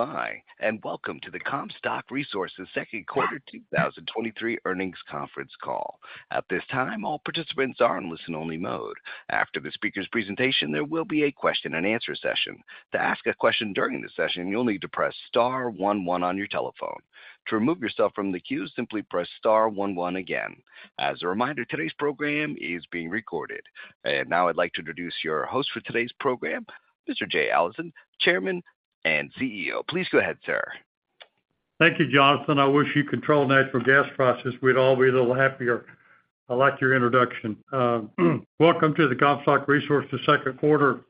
Hi, welcome to the Comstock Resources 2nd quarter 2023 earnings conference call. At this time, all participants are in listen-only mode. After the speaker's presentation, there will be a question-and-answer session. To ask a question during the session, you'll need to press star one one on your telephone. To remove yourself from the queue, simply press star one one again. As a reminder, today's program is being recorded. Now I'd like to introduce your host for today's program, Mr. Jay Allison, Chairman and CEO. Please go ahead, sir. Thank you, Jonathan. I wish you controlled natural gas prices. We'd all be a little happier. I like your introduction. Welcome to the Comstock Resources second quarter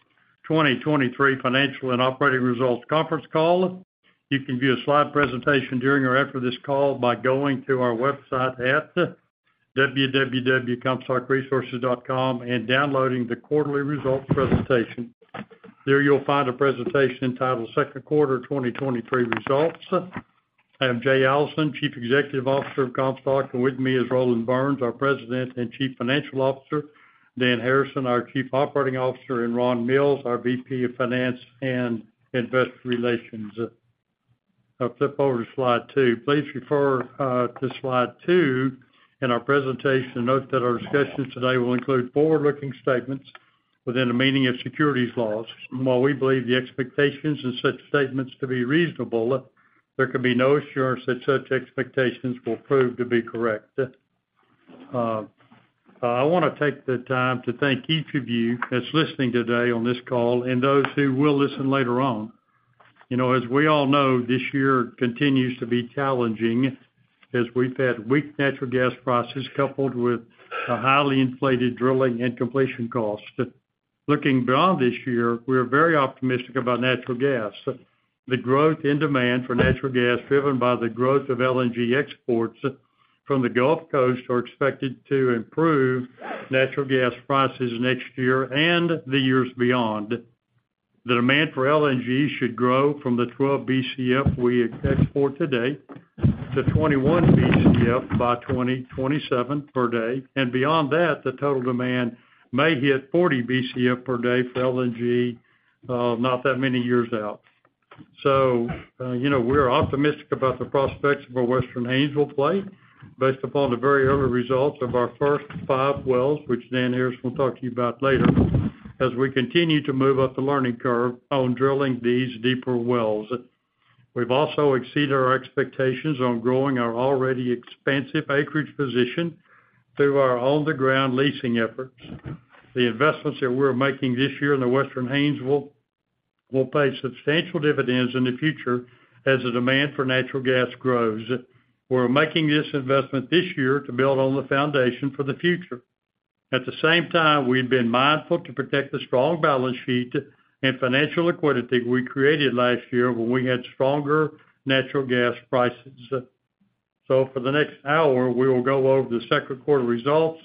2023 financial and operating results conference call. You can view a slide presentation during or after this call by going to our website at www.comstockresources.com and downloading the quarterly results presentation. There, you'll find a presentation titled "Second Quarter 2023 Results." I'm Jay Allison, Chief Executive Officer of Comstock, and with me is Roland Burns, our President and Chief Financial Officer, Dan Harrison, our Chief Operating Officer, and Ron Mills, our VP of Finance and Investor Relations. I'll flip over to slide two. Please refer to slide two in our presentation. Note that our discussions today will include forward-looking statements within the meaning of securities laws. While we believe the expectations in such statements to be reasonable, there can be no assurance that such expectations will prove to be correct. I wanna take the time to thank each of you that's listening today on this call and those who will listen later on. You know, as we all know, this year continues to be challenging as we've had weak natural gas prices coupled with a highly inflated drilling and completion cost. Looking beyond this year, we're very optimistic about natural gas. The growth in demand for natural gas, driven by the growth of LNG exports from the Gulf Coast, are expected to improve natural gas prices next year and the years beyond. The demand for LNG should grow from the 12 Bcf we export today to 21 Bcf by 2027 per day. Beyond that, the total demand may hit 40 Bcf per day for LNG, not that many years out. You know, we're optimistic about the prospects of our Western Haynesville Play based upon the very early results of our first five wells, which Dan Harrison will talk to you about later, as we continue to move up the learning curve on drilling these deeper wells. We've also exceeded our expectations on growing our already expansive acreage position through our on-the-ground leasing efforts. The investments that we're making this year in the Western Haynesville will pay substantial dividends in the future as the demand for natural gas grows. We're making this investment this year to build on the foundation for the future. At the same time, we've been mindful to protect the strong balance sheet and financial liquidity we created last year when we had stronger natural gas prices. For the next hour, we will go over the second quarter results,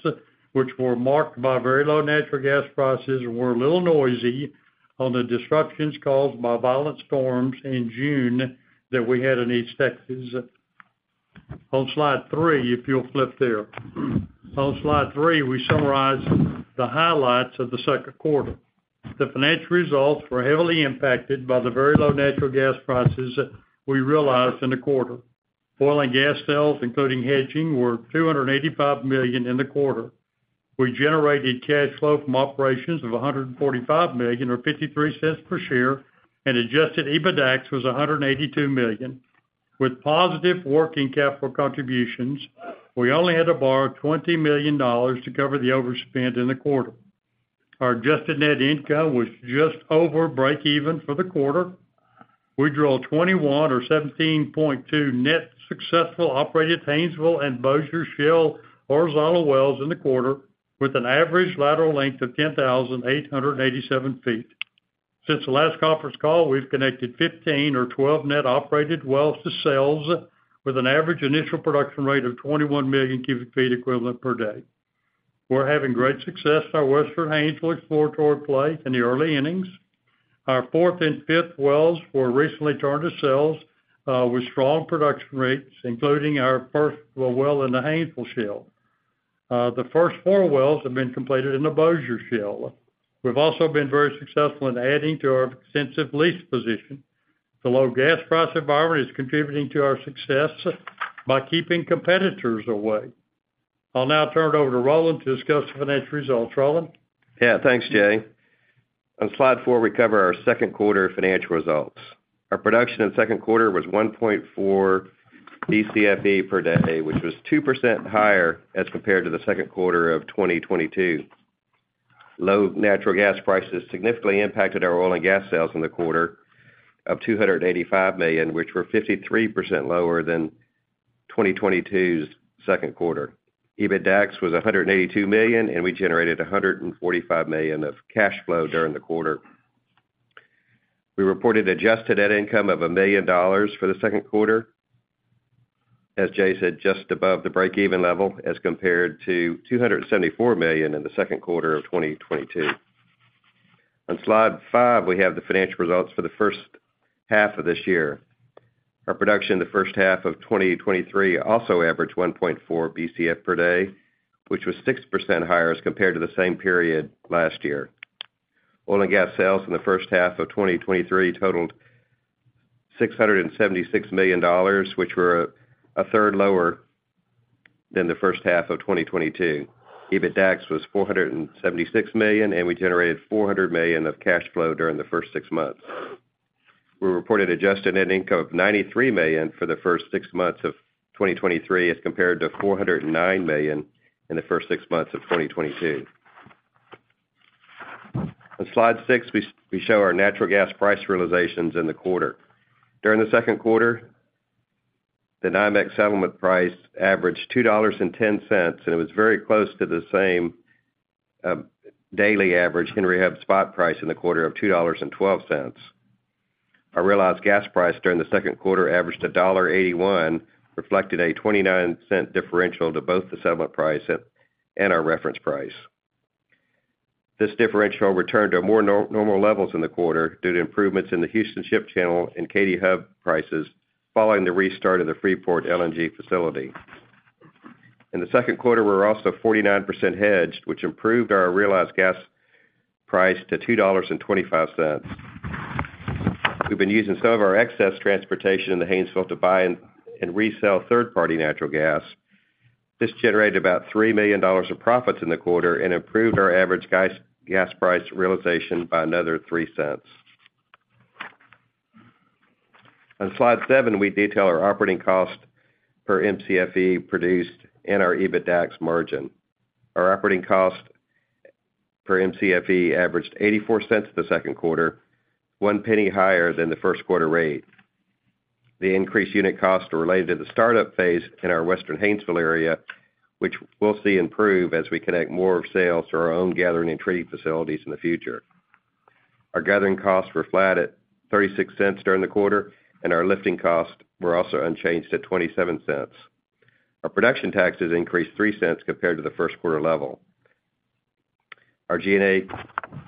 which were marked by very low natural gas prices and were a little noisy on the disruptions caused by violent storms in June that we had in East Texas. On slide three, if you'll flip there. On slide three, we summarize the highlights of the second quarter. The financial results were heavily impacted by the very low natural gas prices we realized in the quarter. Oil and gas sales, including hedging, were $285 million in the quarter. We generated cash flow from operations of $145 million, or $0.53 per share, and adjusted EBITDAX was $182 million. With positive working capital contributions, we only had to borrow $20 million to cover the overspend in the quarter. Our adjusted net income was just over breakeven for the quarter. We drilled 21 or 17.2 net successful operated Haynesville and Bossier Shale horizontal wells in the quarter, with an average lateral length of 10,887 ft. Since the last conference call, we've connected 15 or 12 net operated wells to sales, with an average initial production rate of 21 million cubic ft equivalent per day. We're having great success in our Western Haynesville exploratory play in the early innings. Our fourth and fifth wells were recently turned to sales, with strong production rates, including our first well in the Haynesville Shale. The first four wells have been completed in the Bossier Shale. We've also been very successful in adding to our extensive lease position. The low gas price environment is contributing to our success by keeping competitors away. I'll now turn it over to Roland to discuss the financial results. Roland? Yeah, thanks, Jay. On slide four, we cover our second quarter financial results. Our production in the second quarter was 1.4 Bcfe per day, which was 2% higher as compared to the second quarter of 2022. Low natural gas prices significantly impacted our oil and gas sales in the quarter of $285 million, which were 53% lower than 2022's second quarter. EBITDAX was $182 million, and we generated $145 million of cash flow during the quarter. We reported adjusted net income of $1 million for the second quarter. As Jay said, just above the break-even level, as compared to $274 million in the second quarter of 2022. On slide five, we have the financial results for the first half of this year.... Our production in the first half of 2023 also averaged 1.4 Bcf per day, which was 6% higher as compared to the same period last year. Oil and gas sales in the first half of 2023 totaled $676 million, which were a third lower than the first half of 2022. EBITDAX was $476 million, and we generated $400 million of cash flow during the first six months. We reported adjusted net income of $93 million for the first six months of 2023, as compared to $409 million in the first six months of 2022. On Slide six, we show our natural gas price realizations in the quarter. During the second quarter, the NYMEX settlement price averaged $2.10, and it was very close to the same daily average Henry Hub spot price in the quarter of $2.12. Our realized gas price during the second quarter averaged $1.81, reflecting a $0.29 differential to both the settlement price and our reference price. This differential returned to more normal levels in the quarter due to improvements in the Houston Ship Channel and Katy Hub prices following the restart of the Freeport LNG facility. In the second quarter, we were also 49% hedged, which improved our realized gas price to $2.25. We've been using some of our excess transportation in the Haynesville to buy and resell third-party natural gas. This generated about $3 million of profits in the quarter and improved our average gas, gas price realization by another $0.03. On slide seven, we detail our operating cost per Mcfe produced and our EBITDAX margin. Our operating cost for Mcfe averaged $0.84 in the second quarter, $0.01 higher than the first quarter rate. The increased unit costs are related to the startup phase in our Western Haynesville area, which we'll see improve as we connect more sales to our own gathering and treating facilities in the future. Our gathering costs were flat at $0.36 during the quarter, our lifting costs were also unchanged at $0.27. Our production taxes increased $0.03 compared to the first quarter level. Our G&A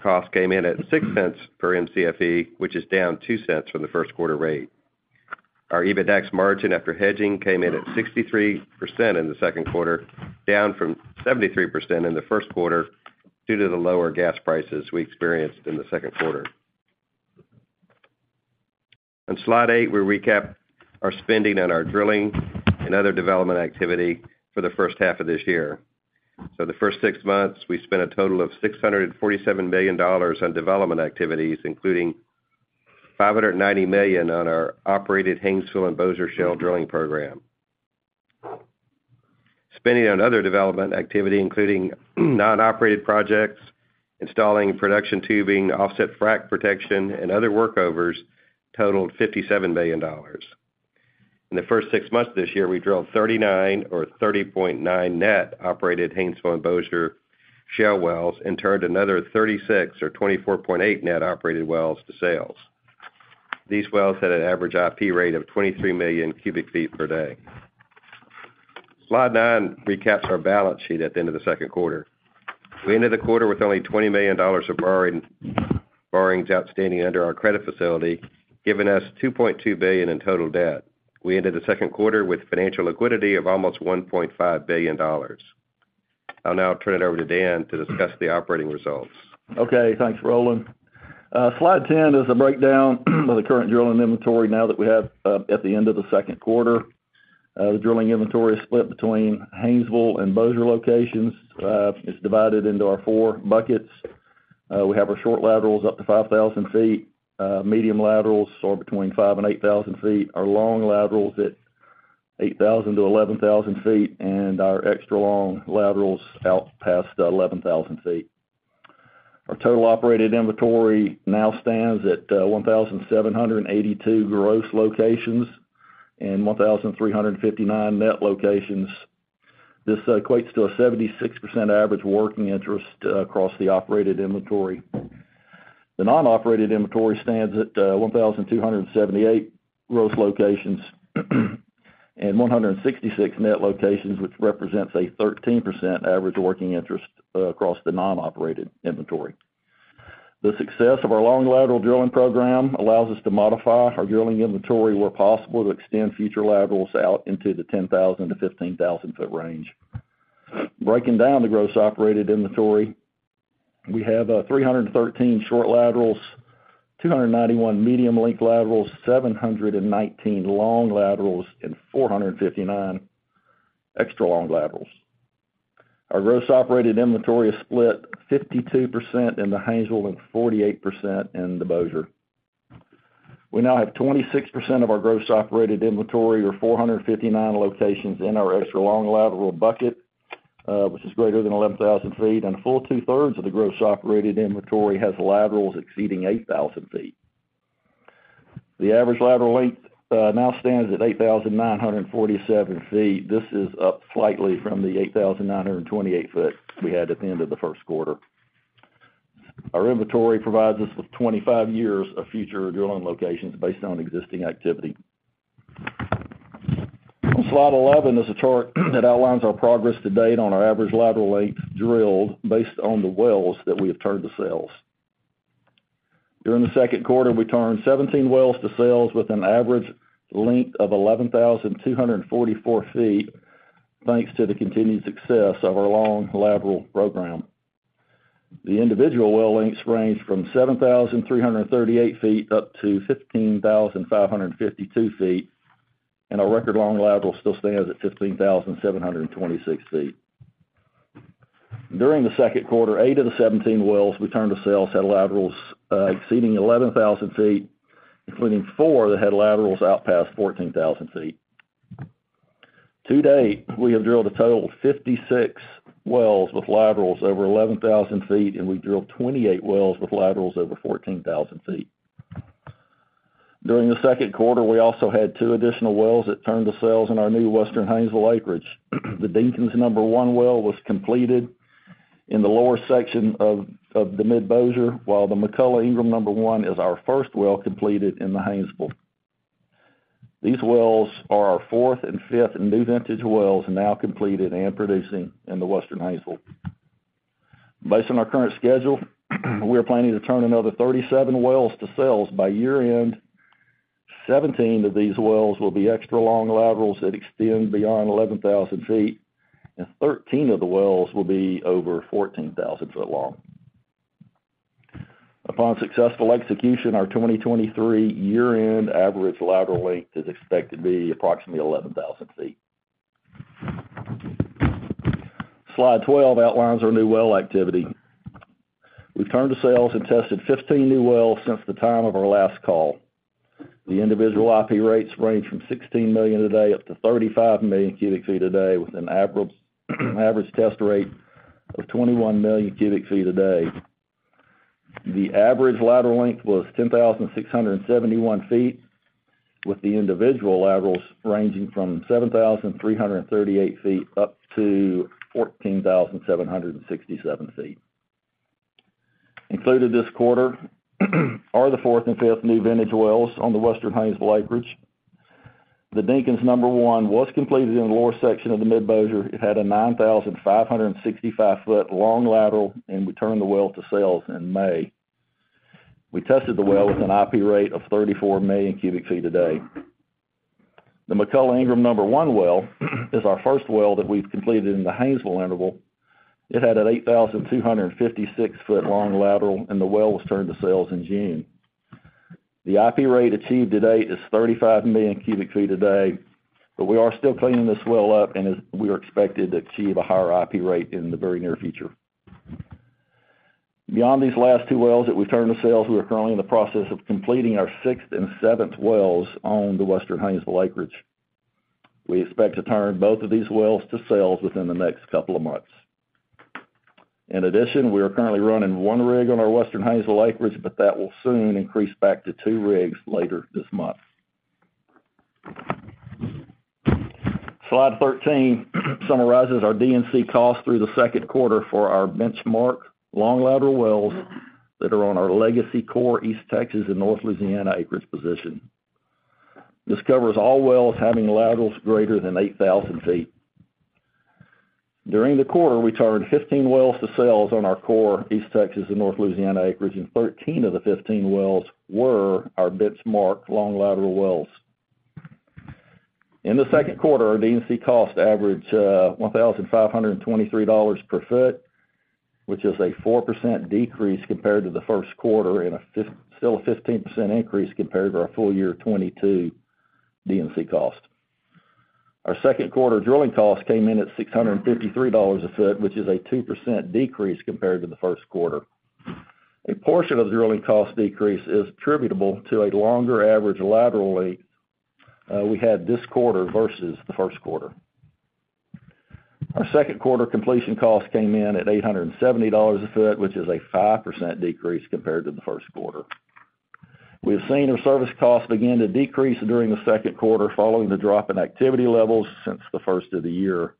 costs came in at $0.06 per Mcfe, which is down $0.02 from the first quarter rate. Our EBITDAX margin after hedging came in at 63% in the second quarter, down from 73% in the first quarter, due to the lower gas prices we experienced in the second quarter. On Slide eight, we recap our spending and our drilling and other development activity for the first half of this year. For the first six months, we spent a total of $647 million on development activities, including $590 million on our operated Haynesville and Bossier Shale drilling program. Spending on other development activity, including non-operated projects, installing production tubing, offset frack protection, and other workovers, totaled $57 million. In the first six months of this year, we drilled 39 or 30.9 net operated Haynesville and Bossier Shale wells and turned another 36 or 24.8 net operated wells to sales. These wells had an average IP rate of 23 million cubic ft per day. Slide nine recaps our balance sheet at the end of the second quarter. We ended the quarter with only $20 million of borrowing, borrowings outstanding under our credit facility, giving us $2.2 billion in total debt. We ended the second quarter with financial liquidity of almost $1.5 billion. I'll now turn it over to Dan to discuss the operating results. Okay. Thanks, Roland. Slide 10 is a breakdown of the current drilling inventory now that we have at the end of the second quarter. The drilling inventory is split between Haynesville and Bossier locations. It's divided into our four buckets. We have our short laterals up to 5,000 ft, medium laterals are between 5,000 and 8,000 ft, our long laterals at 8,000-11,000 ft, and our extra-long laterals out past 11,000 ft. Our total operated inventory now stands at 1,782 gross locations and 1,359 net locations. This equates to a 76% average working interest across the operated inventory. The non-operated inventory stands at 1,278 gross locations, and 166 net locations, which represents a 13% average working interest across the non-operated inventory. The success of our long lateral drilling program allows us to modify our drilling inventory where possible, to extend future laterals out into the 10,000-15,000 foot range. Breaking down the gross operated inventory, we have 313 short laterals, 291 medium-length laterals, 719 long laterals, and 459 extra-long laterals. Our gross operated inventory is split 52% in the Haynesville and 48% in the Bossier. We now have 26% of our gross operated inventory or 459 locations in our extra-long lateral bucket, which is greater than 11,000 ft, and a full 2/3 of the gross operated inventory has laterals exceeding 8,000 ft. The average lateral length now stands at 8,947 ft. This is up slightly from the 8,928 ft we had at the end of the first quarter. Our inventory provides us with 25 years of future drilling locations based on existing activity. On slide 11 is a chart that outlines our progress to date on our average lateral length drilled, based on the wells that we have turned to sales. During the second quarter, we turned 17 wells to sales with an average length of 11,244 ft, thanks to the continued success of our long lateral program. The individual well lengths range from 7,338 ft up to 15,552 ft, and our record long lateral still stands at 15,726 ft. During the second quarter, eight of the 17 wells we turned to sales had laterals exceeding 11,000 ft, including four that had laterals out past 14,000 ft. To date, we have drilled a total of 56 wells with laterals over 11,000 ft, and we've drilled 28 wells with laterals over 14,000 ft. During the second quarter, we also had 2 additional wells that turned to sales in our new Western Haynesville acreage. The Dinkins number one well was completed in the lower section of, of the Mid-Bossier, while the McCullough Ingram number one is our first well completed in the Haynesville. These wells are our fourth and fifth new vintage wells, now completed and producing in the Western Haynesville. Based on our current schedule, we are planning to turn another 37 wells to sales by year-end. 17 of these wells will be extra long laterals that extend beyond 11,000 ft, and 13 of the wells will be over 14,000 foot long. Upon successful execution, our 2023 year-end average lateral length is expected to be approximately 11,000 ft. Slide 12 outlines our new well activity. We've turned to sales and tested 15 new wells since the time of our last call. The individual IP rates range from 16 million a day up to 35 million cubic ft a day, with an average, average test rate of 21 million cubic ft a day. The average lateral length was 10,671 ft, with the individual laterals ranging from 7,338 ft up to 14,767 ft. Included this quarter, are the fourth and fifth new vintage wells on the Western Haynesville acreage. The Dinkins number one was completed in the lower section of the Mid-Bossier. It had a 9,565 foot long lateral, and we turned the well to sales in May. We tested the well with an IP rate of 34 million cubic ft a day. The McCullough Ingram number one well is our first well that we've completed in the Haynesville interval. It had an 8,256 foot long lateral, and the well was turned to sales in June. The IP rate achieved to date is 35 million cubic ft a day, but we are still cleaning this well up, and as we are expected to achieve a higher IP rate in the very near future. Beyond these last two wells that we've turned to sales, we are currently in the process of completing our sixth and seventh wells on the Western Haynesville acreage. We expect to turn both of these wells to sales within the next couple of months. In addition, we are currently running one rig on our Western Haynesville acreage, but that will soon increase back to two rigs later this month. Slide 13, summarizes our D&C costs through the second quarter for our benchmark long lateral wells that are on our legacy core, East Texas and North Louisiana acreage position. This covers all wells having laterals greater than 8,000 ft. During the quarter, we turned 15 wells to sales on our core East Texas and North Louisiana acreage. 13 of the 15 wells were our benchmark long lateral wells. In the second quarter, our D&C cost averaged $1,523 per foot, which is a 4% decrease compared to the First quarter, and still a 15% increase compared to our full year 2022 D&C cost. Our second quarter drilling costs came in at $653 a foot, which is a 2% decrease compared to the First quarter. A portion of the drilling cost decrease is attributable to a longer average lateral length we had this quarter versus the first quarter. Our second quarter completion costs came in at $870 a foot, which is a 5% decrease compared to the first quarter. We have seen our service costs begin to decrease during the second quarter, following the drop in activity levels since the first of the year.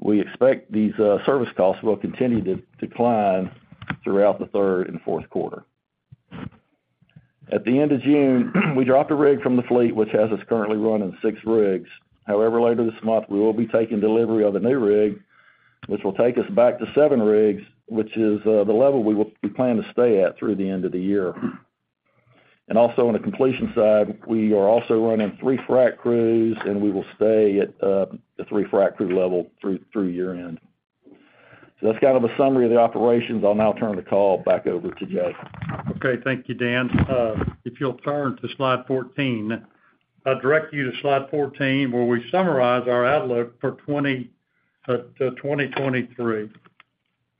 We expect these service costs will continue to decline throughout the third and fourth quarter. At the end of June, we dropped a rig from the fleet, which has us currently running 6 rigs. However, later this month, we will be taking delivery of a new rig, which will take us back to 7 rigs, which is the level we plan to stay at through the end of the year. Also, on the completion side, we are also running 3 frac crews, and we will stay at the 3 frac crew level through, through year-end. That's kind of a summary of the operations. I'll now turn the call back over to Jay. Okay, thank you, Dan. If you'll turn to slide 14, I'll direct you to slide 14, where we summarize our outlook for 2023.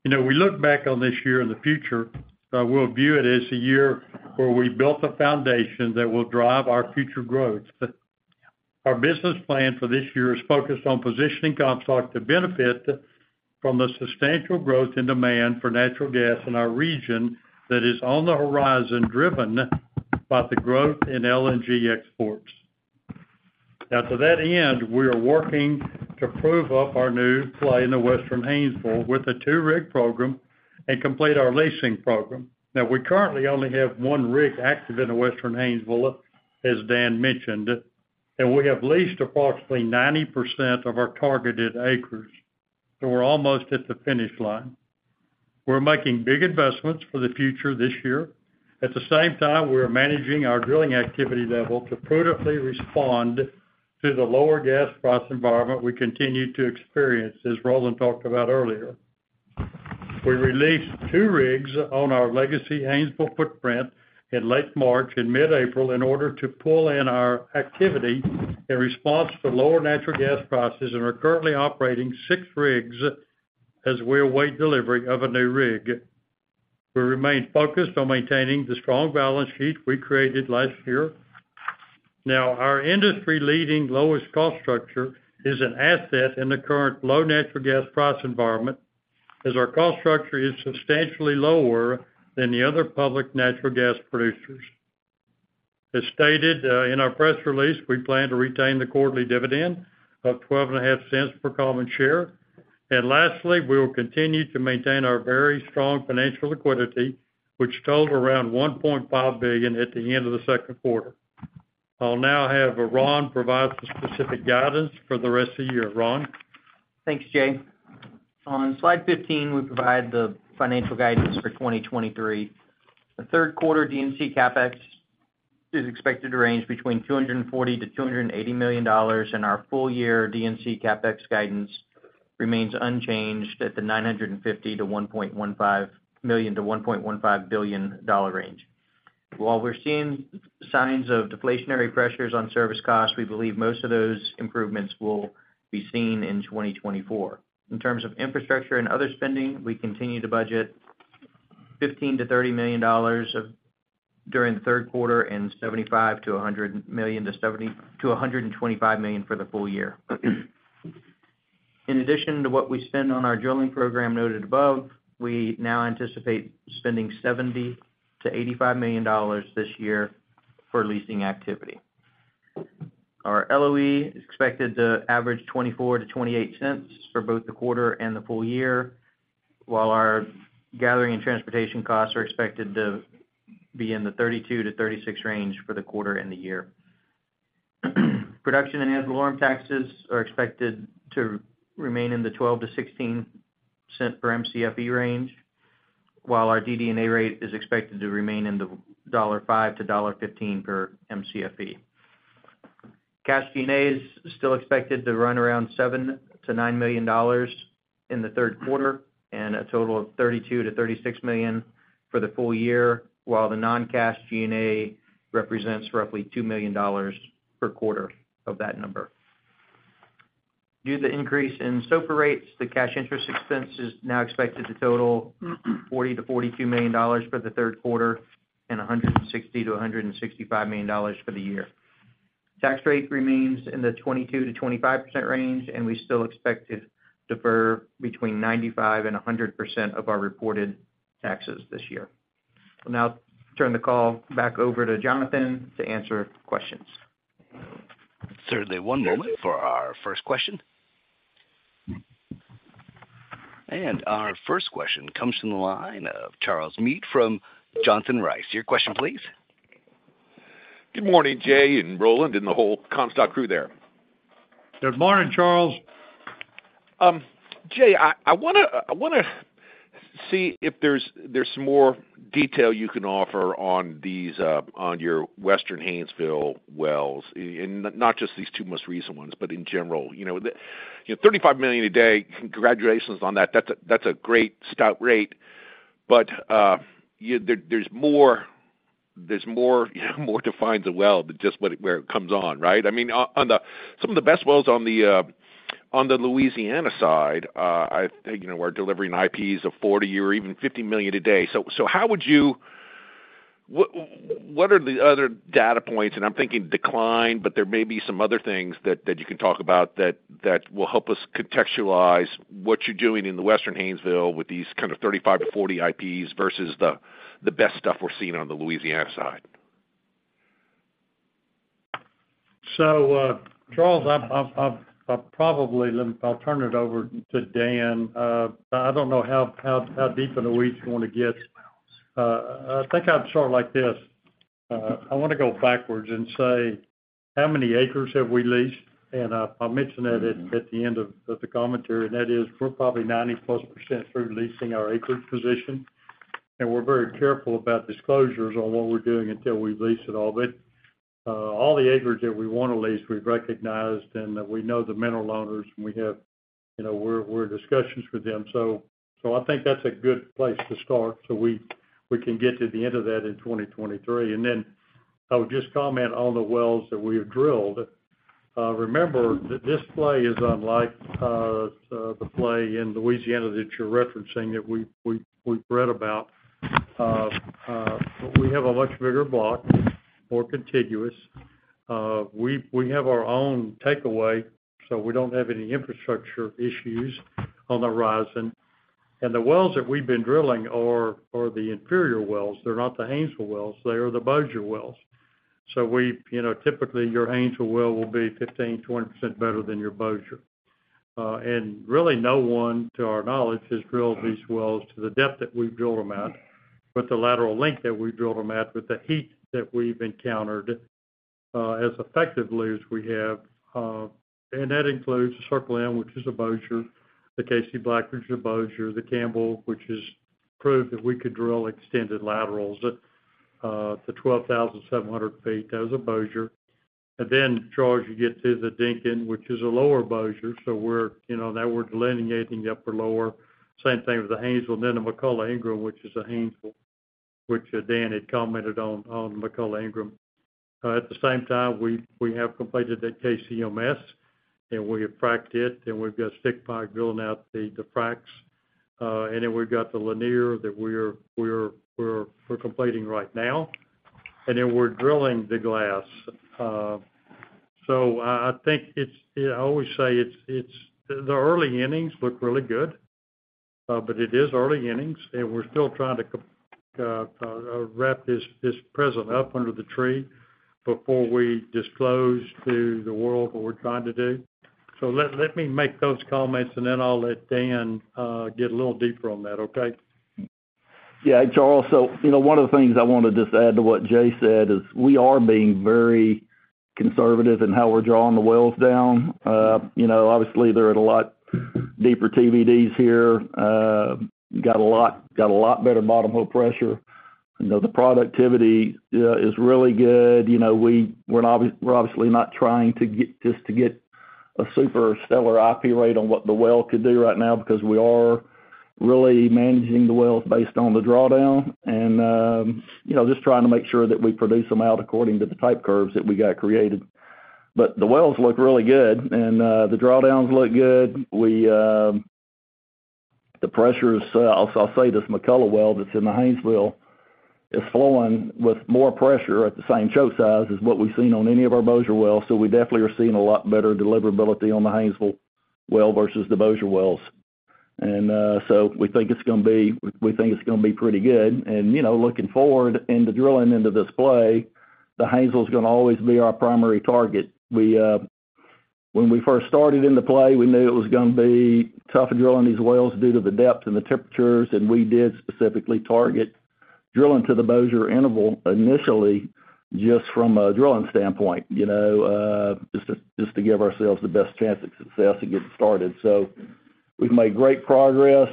You know, we look back on this year and the future, we'll view it as a year where we built a foundation that will drive our future growth. Our business plan for this year is focused on positioning Comstock to benefit from the substantial growth in demand for natural gas in our region that is on the horizon, driven by the growth in LNG exports. To that end, we are working to prove up our new play in the Western Haynesville with a 2-rig program and complete our leasing program. We currently only have one rig active in the Western Haynesville, as Dan mentioned, and we have leased approximately 90% of our targeted acres, so we're almost at the finish line. We're making big investments for the future this year. At the same time, we are managing our drilling activity level to prudently respond to the lower gas price environment we continue to experience, as Roland talked about earlier. We released two rigs on our legacy Haynesville footprint in late March and mid-April in order to pull in our activity in response to lower natural gas prices, and are currently operating six rigs as we await delivery of a new rig. We remain focused on maintaining the strong balance sheet we created last year. Now, our industry-leading lowest cost structure is an asset in the current low natural gas price environment, as our cost structure is substantially lower than the other public natural gas producers. As stated, in our press release, we plan to retain the quarterly dividend of $0.125 per common share. Lastly, we will continue to, which totaled around $1.5 billion at the end of the second quarter. I'll now have Ron provide some specific guidance for the rest of the year. Ron? Thanks, Jay. On slide 15, we provide the financial guidance for 2023. The third quarter D&C CapEx is expected to range between $240 million-$280 million, and our full year D&C CapEx guidance remains unchanged at the $950 million-$1.15 billion dollar range. While we're seeing signs of deflationary pressures on service costs, we believe most of those improvements will be seen in 2024. In terms of infrastructure and other spending, we continue to budget $15 million-$30 million during the third quarter and $75 million-$100 million to $125 million for the full year. In addition to what we spend on our drilling program noted above, we now anticipate spending $70 million-$85 million this year for leasing activity. Our LOE is expected to average $0.24-$0.28 for both the quarter and the full year, while our gathering and transportation costs are expected to be in the $0.32-$0.36 range for the quarter and the year. Production and ad valorem taxes are expected to remain in the $0.12-$0.16 per Mcfe range, while our DD&A rate is expected to remain in the $1.05-$1.15 per Mcfe. Cash G&As is still expected to run around $7 million-$9 million in the third quarter, and a total of $32 million-$36 million for the full year, while the non-cash G&A represents roughly $2 million per quarter of that number. Due to the increase in SOFR rates, the cash interest expense is now expected to total $40 million-$42 million for the third quarter and $160 million-$165 million for the year. Tax rate remains in the 22%-25% range, and we still expect to defer between 95% and 100% of our reported taxes this year. I'll now turn the call back over to Jonathan to answer questions. Certainly. One moment for our first question. Our first question comes from the line of Charles Meade from Johnson Rice. Your question, please. Good morning, Jay and Roland, and the whole Comstock crew there. Good morning, Charles. Jay, I, I wanna, I wanna see if there's, there's some more detail you can offer on these on your Western Haynesville wells, and not just these two most recent ones, but in general. You know, 35 million a day, congratulations on that. That's a, that's a great start rate. There, there's more, there's more, more to find the well than just where it comes on, right? I mean, on, on the some of the best wells on the on the Louisiana side, I think, you know, we're delivering IPs of 40 or even 50 million a day. What are the other data points, and I'm thinking decline, but there may be some other things that, that you can talk about that, that will help us contextualize what you're doing in the Western Haynesville with these kind of 35 to 40 IPs versus the, the best stuff we're seeing on the Louisiana side? Charles, I'll probably turn it over to Dan. I don't know how deep into the wheat you want to get. I think I'd start like this: I wanna go backwards and say, how many acres have we leased? I'll mention that at the end of the commentary, and that is, we're probably 90+% through leasing our acreage position, and we're very careful about disclosures on what we're doing until we've leased it all. All the acreage that we wanna lease, we've recognized, and we know the mineral owners, and You know, we're in discussions with them. So I think that's a good place to start, so we can get to the end of that in 2023. I would just comment on the wells that we have drilled. Remember, that this play is unlike the play in Louisiana that you're referencing, that we've read about. We have a much bigger block, more contiguous. We have our own takeaway, so we don't have any infrastructure issues on the horizon. The wells that we've been drilling are the inferior wells. They're not the Haynesville wells. They are the Bossier wells. We, you know, typically, your Haynesville well will be 15%-20% better than your Bossier. Really, no one, to our knowledge, has drilled these wells to the depth that we've drilled them at, with the lateral length that we've drilled them at, with the heat that we've encountered, as effectively as we have. That includes Circle M, which is a Bossier, the Casey Blackford, a Bossier, the Campbell, which has proved that we could drill extended laterals to 12,700 ft, that was a Bossier. Charles, you get to the Dinkins, which is a lower Bossier, so we're, you know, now we're delineating upper, lower. Same thing with the Haynesville, the McCullough Ingram, which is a Haynesville, which Dan had commented on, on McCullough Ingram. At the same time, we, we have completed the KZMS, and we have fracked it, and we've got stick pipe drilling out the, the fracks. We've got the Lanier that we're, we're, we're, we're completing right now, and then we're drilling the Glass. I, I think it's-- I always say it's, it's, the early innings look really good, but it is early innings, and we're still trying to com-- wrap this, this present up under the tree before we disclose to the world what we're trying to do. Let, let me make those comments, and then I'll let Dan get a little deeper on that. Okay? Yeah, Charles, so, you know, one of the things I want to just add to what Jay said is, we are being very conservative in how we're drawing the wells down. You know, obviously, they're at a lot deeper TVD here. Got a lot, got a lot better bottom hole pressure. You know, the productivity, is really good. You know, we're obviously not trying to get, just to get a super stellar IP rate on what the well could do right now, because we are really managing the wells based on the drawdown. You know, just trying to make sure that we produce them out according to the type curves that we got created. The wells look really good, and, the drawdowns look good. We, the pressure is... I'll, I'll say this McCullough well that's in the Haynesville, is flowing with more pressure at the same choke size as what we've seen on any of our Bossier wells. We definitely are seeing a lot better deliverability on the Haynesville well versus the Bossier wells. We think it's gonna be pretty good. You know, looking forward into drilling into this play, the Haynesville is gonna always be our primary target. We, when we first started in the play, we knew it was gonna be tough drilling these wells due to the depth and the temperatures, and we did specifically target drilling to the Bossier interval, initially, just from a drilling standpoint, you know, just to give ourselves the best chance of success and get started. We've made great progress,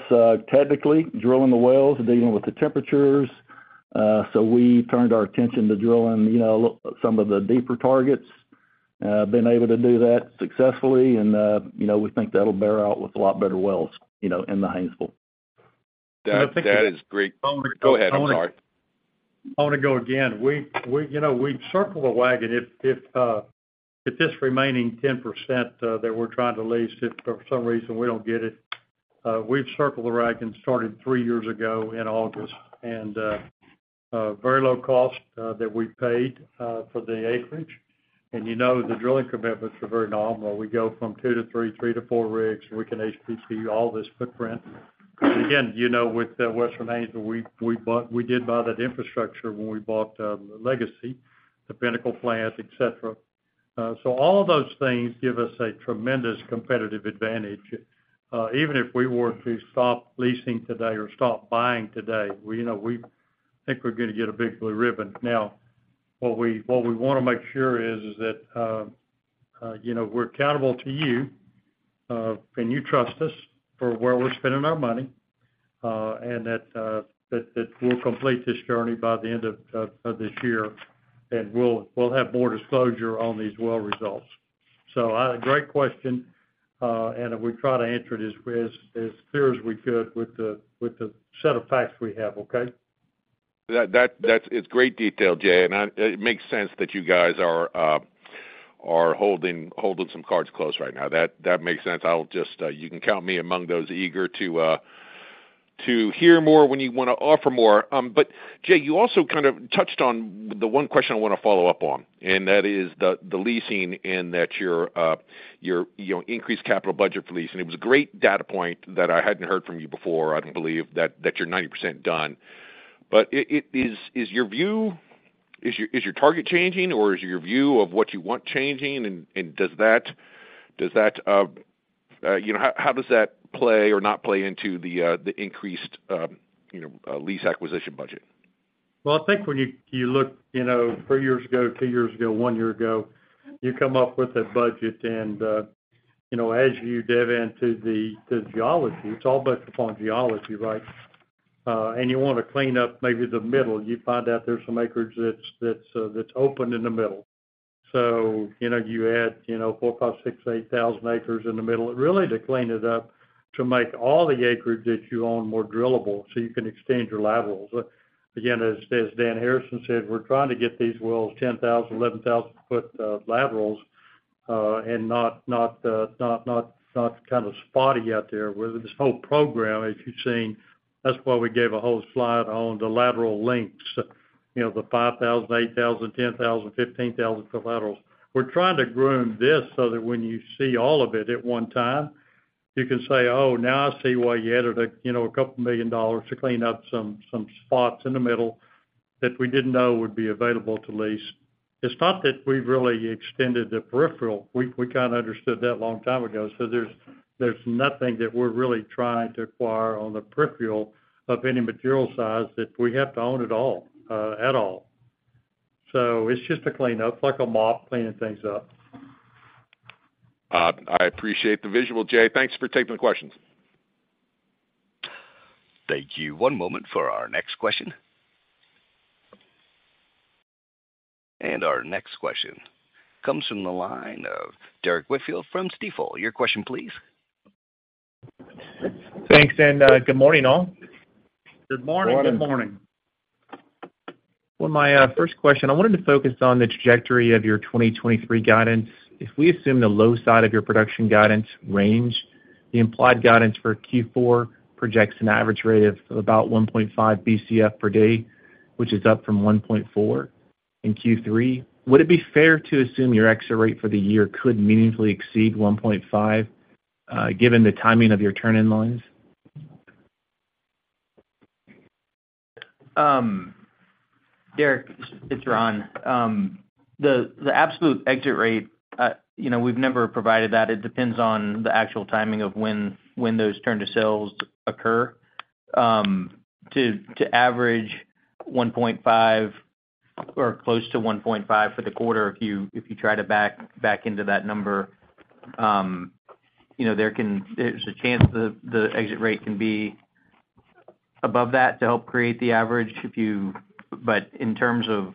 technically, drilling the wells and dealing with the temperatures. We turned our attention to drilling, you know, a little-- some of the deeper targets, been able to do that successfully, and you know, we think that'll bear out with a lot better wells, you know, in the Haynesville. That, that is great. Go ahead, I'm sorry. I want to go again. We, we, you know, we've circled the wagon. If, if, if this remaining 10% that we're trying to lease, if for some reason we don't get it, we've circled the wagon, started 3 years ago in August, and a very low cost that we paid for the acreage. You know, the drilling commitments are very normal. We go from 2-3, 3-4 rigs, and we can HPC all this footprint. Again, you know, with Western Haynesville, we did buy that infrastructure when we bought the Legacy, the Pinnacle plants, et cetera. So all of those things give us a tremendous competitive advantage. Even if we were to stop leasing today or stop buying today, we know, we think we're gonna get a big blue ribbon. What we want to make sure is that, you know, we're accountable to you, and you trust us for where we're spending our money, and that we'll complete this journey by the end of this year, and we'll have more disclosure on these well results. Great question, and we try to answer it as clear as we could with the set of facts we have. Okay? That's great detail, Jay, and it makes sense that you guys are holding, holding some cards close right now. That makes sense. I'll just, you can count me among those eager to hear more when you want to offer more. Jay, you also kind of touched on the one question I want to follow up on, and that is the, the leasing and that your, you know, increased capital budget for leasing. It was a great data point that I hadn't heard from you before, I don't believe, that you're 90% done. Is your view, is your target changing, or is your view of what you want changing? Does that, does that, you know, how, how does that play or not play into the increased, you know, lease acquisition budget? Well, I think when you, you look, you know, 3 years ago, 2 years ago, 1 year ago, you come up with a budget and, you know, as you dive into the, the geology, it's all based upon geology, right? You want to clean up maybe the middle, you find out there's some acreage that's, that's, that's open in the middle. You know, you add, you know, 4, 5, 6, 8 thousand acres in the middle, really to clean it up, to make all the acreage that you own more drillable, so you can extend your laterals. Again, as, as Dan Harrison said, we're trying to get these wells 10,000, 11,000 foot laterals, and not, not, not, not kind of spotty out there. With this whole program, as you've seen, that's why we gave a whole slide on the lateral lengths, you know, the 5,000, 8,000, 10,000, 15,000 foot laterals. We're trying to groom this so that when you see all of it at one time, you can say, "Oh, now I see why you added a, you know, $2 million to clean up some, some spots in the middle that we didn't know would be available to lease." It's not that we've really extended the peripheral. We, we kind of understood that a long time ago. There's nothing that we're really trying to acquire on the peripheral of any material size that we have to own it all at all. It's just a cleanup, like a mop, cleaning things up. I appreciate the visual, Jay. Thanks for taking the questions. Thank you. One moment for our next question. Our next question comes from the line of Derrick Whitfield from Stifel. Your question, please. Thanks. Good morning, all. Good morning. Good morning. Well, my first question, I wanted to focus on the trajectory of your 2023 guidance. If we assume the low side of your production guidance range, the implied guidance for Q4 projects an average rate of about 1.5 Bcf per day, which is up from 1.4 in Q3. Would it be fair to assume your exit rate for the year could meaningfully exceed 1.5 given the timing of your turn-in lines? Derrick, it's Ron. The, the absolute exit rate, you know, we've never provided that. It depends on the actual timing of when, when those turn to sales occur. To, to average 1.5 or close to 1.5 for the quarter, if you, if you try to back, back into that number, you know, there's a chance that the exit rate can be above that to help create the average if you... In terms of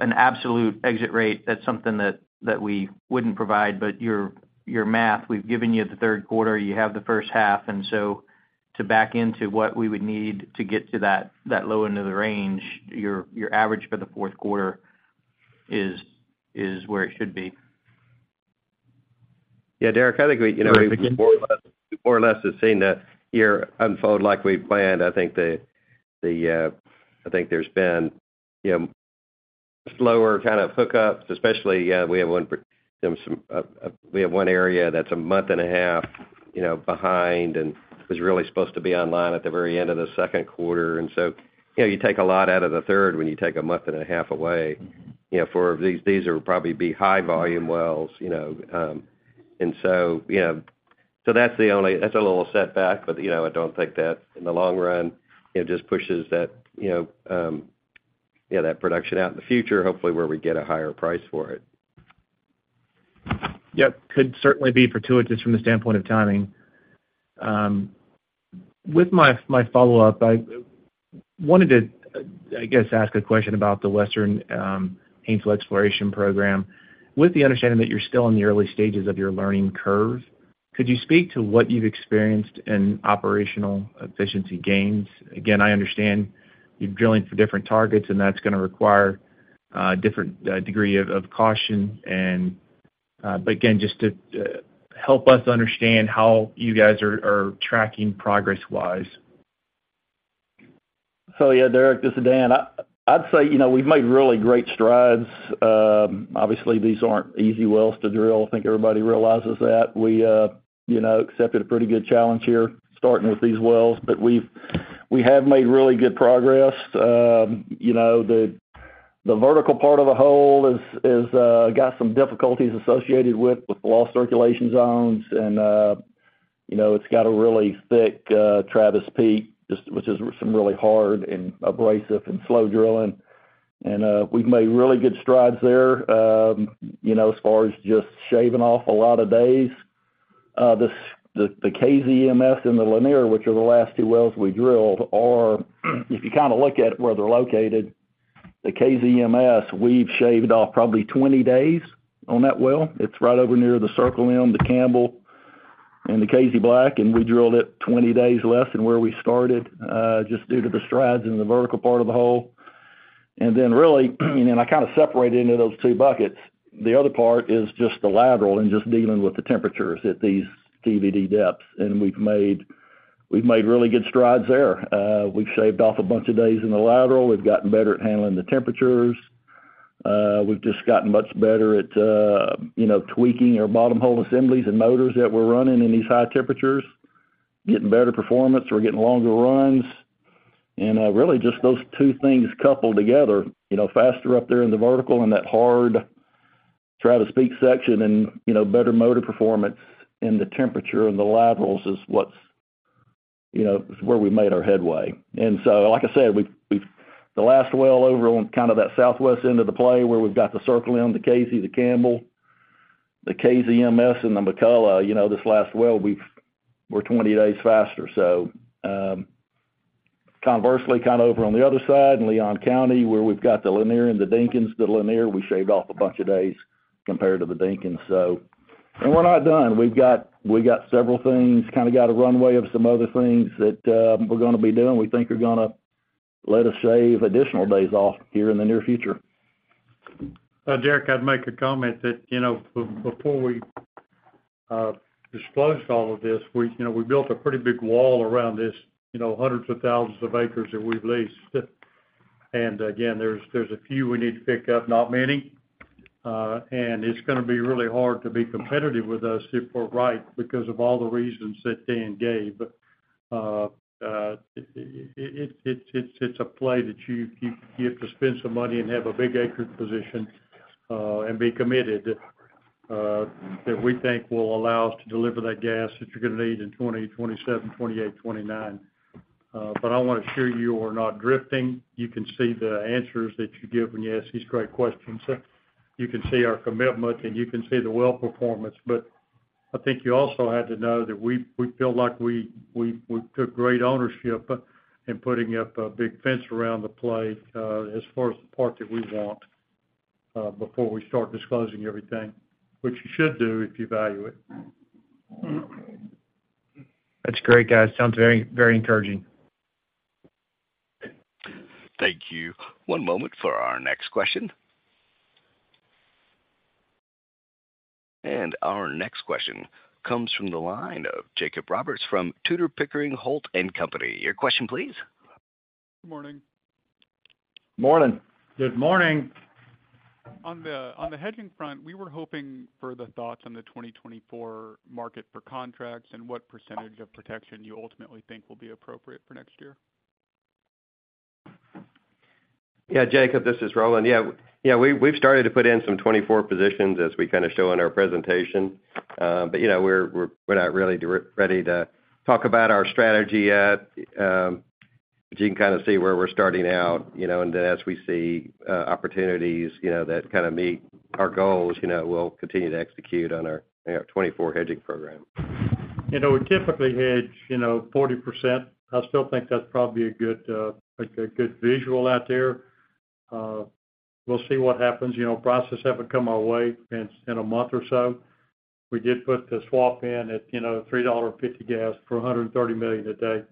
an absolute exit rate, that's something that, that we wouldn't provide. Your, your math, we've given you the third quarter, you have the first half, so to back into what we would need to get to that, that low end of the range, your, your average for the fourth quarter is, is where it should be. Yeah, Derrick, I think we, you know, we more or less, more or less have seen the year unfold like we planned. I think the, the, I think there's been, you know, slower kind of hookups, especially, we have one, we have one area that's a month and a half, you know, behind and was really supposed to be online at the very end of the second quarter. You know, you take a lot out of the third when you take a month and a half away. You know, for these, these will probably be high volume wells, you know, and so, you know... That's the only, that's a little setback, but, you know, I don't think that in the long run, it just pushes that, you know, yeah, that production out in the future, hopefully, where we get a higher price for it. Yep. Could certainly be fortuitous from the standpoint of timing. With my, my follow-up, I wanted to, I guess, ask a question about the Western Haynesville exploration program. With the understanding that you're still in the early stages of your learning curve, could you speak to what you've experienced in operational efficiency gains? Again, I understand you're drilling for different targets, and that's going to require different degree of caution and. Again, just to help us understand how you guys are, are tracking progress-wise. Yeah, Derrick, this is Dan. I, I'd say, you know, we've made really great strides. Obviously, these aren't easy wells to drill. I think everybody realizes that. We, you know, accepted a pretty good challenge here, starting with these wells, but we have made really good progress. You know, the, the vertical part of the hole is, is got some difficulties associated with, with low circulation zones and, you know, it's got a really thick, Travis Peak, just which is some really hard and abrasive and slow drilling. We've made really good strides there, you know, as far as just shaving off a lot of days. The KZMS and the Lanier, which are the last two wells we drilled, are, if you kind of look at where they're located, the KZMS, we've shaved off probably 20 days on that well. It's right over near the Circle M, the Campbell, and the Casey Black, and we drilled it 20 days less than where we started, just due to the strides in the vertical part of the hole. Really, and I kind of separated into those two buckets. The other part is just the lateral and just dealing with the temperatures at these TVD depths, and we've made, we've made really good strides there. We've shaved off a bunch of days in the lateral. We've gotten better at handling the temperatures. We've just gotten much better at, you know, tweaking our bottom hole assemblies and motors that we're running in these high temperatures, getting better performance. We're getting longer runs. Really, just those two things coupled together, you know, faster up there in the vertical and that hard Travis Peak section and, you know, better motor performance and the temperature in the laterals is what's, you know, where we made our headway. So, like I said, we've the last well over on kind of that southwest end of the play, where we've got the Circle M, the Casey, the Campbell, the KZMS, and the McCullough, you know, this last well, we're 20 days faster. Conversely, kind of over on the other side in Leon County, where we've got the Lanier and the Dinkins, the Lanier, we shaved off a bunch of days compared to the Dinkins. We're not done. We've got, we've got several things, kind of got a runway of some other things that we're gonna be doing, we think are gonna let us shave additional days off here in the near future. Derrick, I'd make a comment that before we disclosed all of this, we built a pretty big wall around this hundreds of thousands of acres that we've leased. Again, there's a few we need to pick up, not many. And it's gonna be really hard to be competitive with us if we're right, because of all the reasons that Dan gave. It's a play that you have to spend some money and have a big acreage position and be committed that we think will allow us to deliver that gas that you're gonna need in 2027, 2028, 2029. I wanna assure you, we're not drifting. You can see the answers that you give when you ask these great questions. You can see our commitment, and you can see the well performance. I think you also have to know that we feel like we took great ownership in putting up a big fence around the play, as far as the part that we want, before we start disclosing everything, which you should do if you value it. That's great, guys. Sounds very, very encouraging. Thank you. One moment for our next question. Our next question comes from the line of Jacob Roberts from Tudor, Pickering, Holt & Company. Your question, please? Good morning. Morning. Good morning. On the hedging front, we were hoping for the thoughts on the 2024 market for contracts and what percentage of protection you ultimately think will be appropriate for next year? Jacob, this is Roland. We've started to put in some 2024 positions as we kinda show in our presentation. You know, we're not really ready to talk about our strategy yet. You can kinda see where we're starting out, you know, and then as we see opportunities, you know, that kinda meet our goals, you know, we'll continue to execute on our, you know, 2024 hedging program. You know, we typically hedge, you know, 40%. I still think that's probably a good, like, a good visual out there. We'll see what happens. You know, prices haven't come our way in, in a month or so. We did put the swap in at, you know, $3.50 gas for $130 million a day.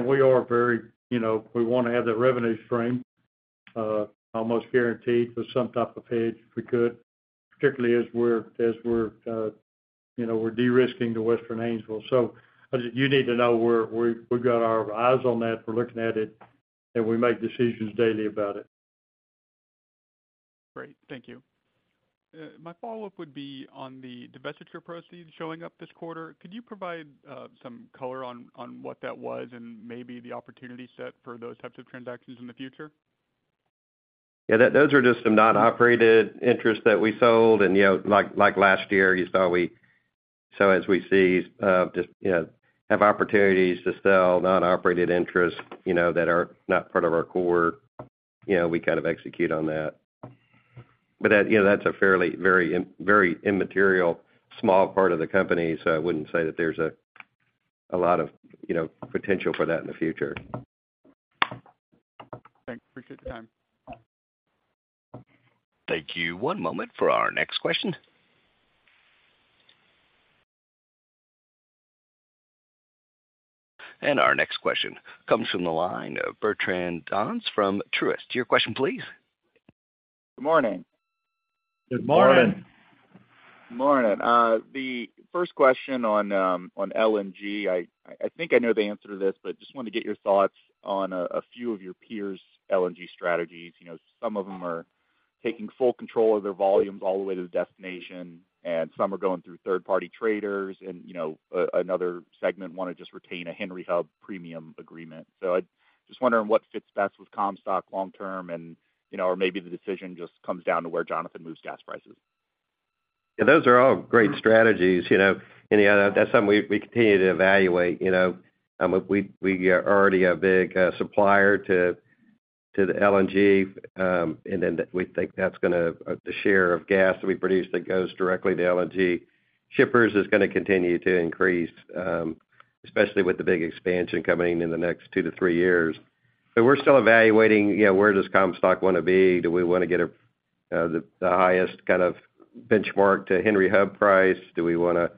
We are very, you know, we wanna have that revenue stream, almost guaranteed with some type of hedge, if we could, particularly as we're, as we're, you know, we're de-risking the Western Haynesville. You need to know we've, we've got our eyes on that. We're looking at it, and we make decisions daily about it. Great. Thank you. My follow-up would be on the divestiture proceeds showing up this quarter. Could you provide some color on, on what that was and maybe the opportunity set for those types of transactions in the future? Yeah, those are just some non-operated interests that we sold. You know, like, like last year, you saw so as we see, just, you know, have opportunities to sell non-operated interests, you know, that are not part of our core, you know, we kind of execute on that. That, you know, that's a fairly, very immaterial, small part of the company, so I wouldn't say that there's a, a lot of, you know, potential for that in the future. Thanks. Appreciate your time. Thank you. One moment for our next question. Our next question comes from the line of Bertrand Donnes from Truist. Your question please. Good morning. Good morning. Morning. Morning. The first question on LNG. I think I know the answer to this, but just wanted to get your thoughts on a few of your peers' LNG strategies. You know, some of them are taking full control of their volumes all the way to the destination, and some are going through third-party traders, and, you know, another segment wanna just retain a Henry Hub premium agreement. I'm just wondering what fits best with Comstock long term and, you know, or maybe the decision just comes down to where Jonathan moves gas prices. Yeah, those are all great strategies, you know, and that's something we, we continue to evaluate, you know. We, we are already a big supplier to, to the LNG, and then we think that's gonna the share of gas that we produce that goes directly to LNG shippers is gonna continue to increase, especially with the big expansion coming in the next 2-3 years. We're still evaluating, you know, where does Comstock wanna be? Do we wanna get a the the highest kind of benchmark to Henry Hub price? Do we wanna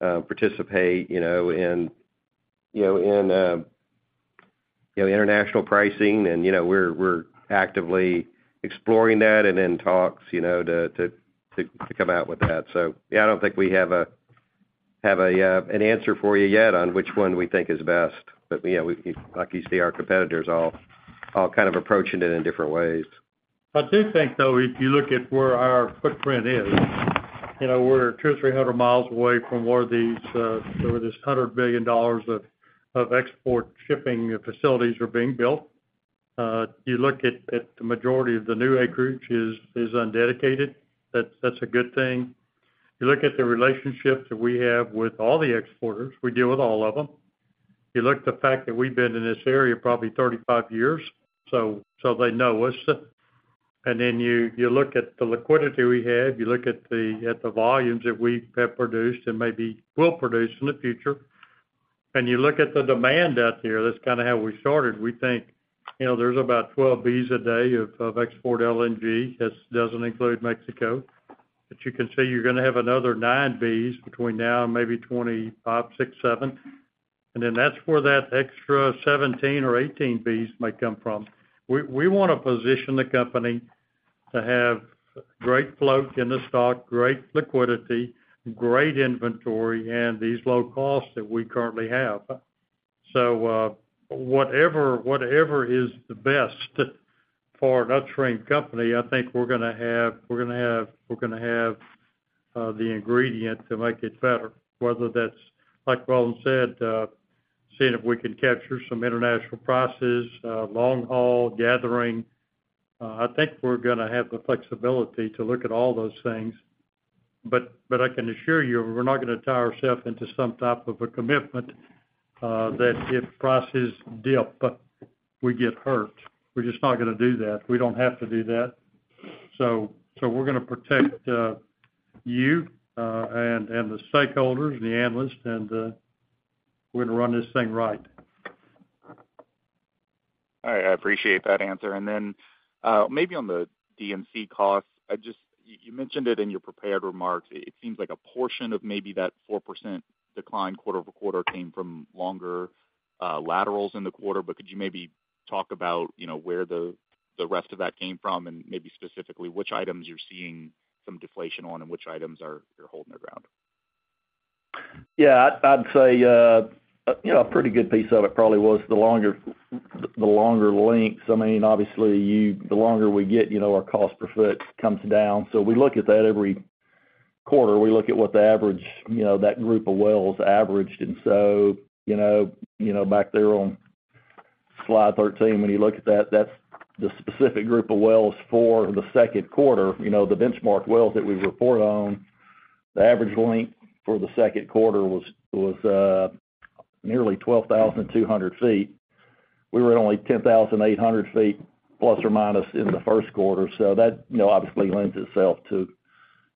participate, you know, in, you know, in, you know, international pricing? You know, we're, we're actively exploring that and in talks, you know, to, to, to, to come out with that. Yeah, I don't think we have a, have a, an answer for you yet on which one we think is best. You know, we like you see our competitors all, all kind of approaching it in different ways. I do think, though, if you look at where our footprint is, you know, we're 200 or 300 miles away from where these, where this $100 billion of, of export shipping facilities are being built. You look at, at the majority of the new acreage is, is undedicated. That's, that's a good thing. You look at the relationships that we have with all the exporters, we deal with all of them. You look at the fact that we've been in this area probably 35 years, so, so they know us. Then you, you look at the liquidity we have, you look at the, at the volumes that we have produced and maybe will produce in the future, and you look at the demand out there, that's kind of how we started. We think, you know, there's about 12 Bcf a day of, of export LNG. That doesn't include Mexico. You can see you're gonna have another 9 Bs between now and maybe 2025, 2026, 2027, and then that's where that extra 17 or 18 Bs might come from. We wanna position the company to have great float in the stock, great liquidity, great inventory, and these low costs that we currently have. Whatever, whatever is the best for an upstream company, I think we're gonna have, we're gonna have, we're gonna have, the ingredient to make it better, whether that's, like Roland said, seeing if we can capture some international prices, long-haul gathering. I think we're gonna have the flexibility to look at all those things. I can assure you, we're not gonna tie ourself into some type of a commitment that if prices dip, we get hurt. We're just not gonna do that. We don't have to do that. So we're gonna protect, you, and the stakeholders and the analysts, and we're gonna run this thing right. All right, I appreciate that answer. Then, maybe on the D&C costs, I just-- you, you mentioned it in your prepared remarks. It seems like a portion of maybe that 4% decline quarter-over-quarter came from longer laterals in the quarter. Could you maybe talk about, you know, where the, the rest of that came from, and maybe specifically, which items you're seeing some deflation on and which items are, are holding their ground? Yeah, I'd, I'd say, you know, a pretty good piece of it probably was the longer, the longer lengths. I mean, obviously, the longer we get, you know, our cost per foot comes down. We look at that every quarter. We look at what the average, you know, that group of wells averaged. You know, you know, back there on slide 13, when you look at that, that's the specific group of wells for the second quarter. You know, the benchmark wells that we report on, the average length for the second quarter was, was nearly 12,200 ft. We were at only 10,800 ft plus or minus in the first quarter. That, you know, obviously lends itself to,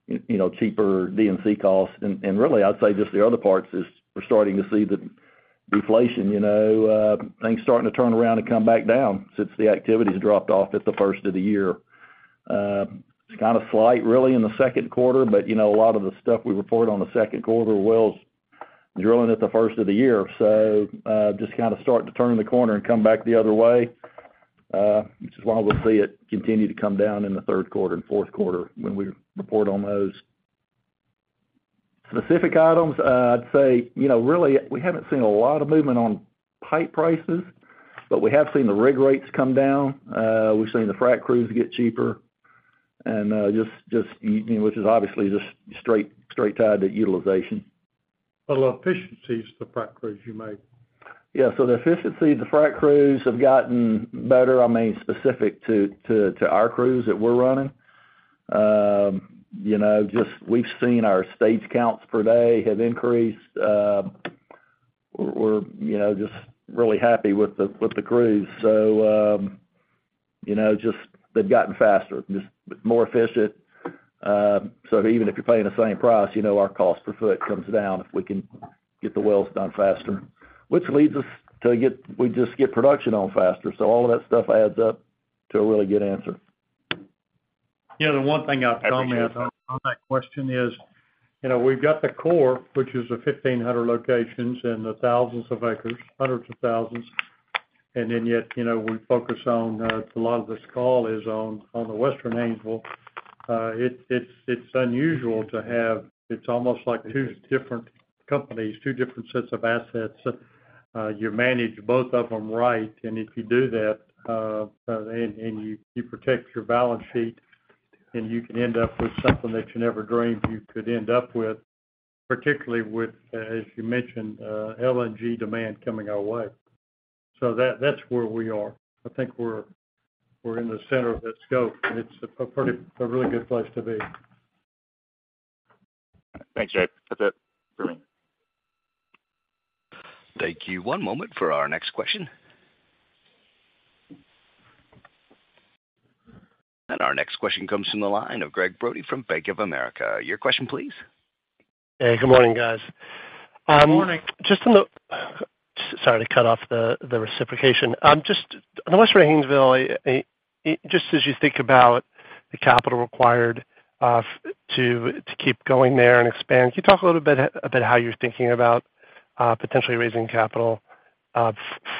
you know, cheaper D&C costs. Really, I'd say just the other parts is we're starting to see the deflation, you know, things starting to turn around and come back down since the activity has dropped off at the first of the year. It's kind of slight, really, in the second quarter, but, you know, a lot of the stuff we reported on the second quarter wells drilling at the first of the year. Just kind of starting to turn the corner and come back the other way, which is why we'll see it continue to come down in the third quarter and fourth quarter when we report on those. Specific items, I'd say, you know, really, we haven't seen a lot of movement on pipe prices, but we have seen the rig rates come down. We've seen the frac crews get cheaper and, just, you know, which is obviously just straight, straight tied to utilization. A lot of efficiencies to the frac crews you make. Yeah, the efficiency, the frac crews have gotten better. I mean, specific to our crews that we're running. You know, just we've seen our stage counts per day have increased. We're, you know, just really happy with the crews. You know, just they've gotten faster, just more efficient. Even if you're paying the same price, you know, our cost per foot comes down if we can get the wells done faster, which leads us to get we just get production on faster. All of that stuff adds up to a really good answer. Yeah, the one thing I'd comment on, on that question is, you know, we've got the core, which is the 1,500 locations and the thousands of acres, hundreds of thousands, and then yet, you know, we focus on, a lot of this call is on, on the Western Haynesville. It's unusual to have. It's almost like two different companies, two different sets of assets. You manage both of them right, and if you do that, and, and you, you protect your balance sheet, then you can end up with something that you never dreamed you could end up with, particularly with, as you mentioned, LNG demand coming our way. That's where we are. I think we're, we're in the center of that scope, and it's a pretty, a really good place to be. Thanks, Dave. That's it for me. Thank you. One moment for our next question. Our next question comes from the line of Gregg Brody from Bank of America. Your question, please. Hey, good morning, guys. Good morning. Just on the... Sorry to cut off the, the reciprocation. Just on the Western Haynesville, just as you think about the capital required, to, to keep going there and expand, can you talk a little bit about how you're thinking about, potentially raising capital,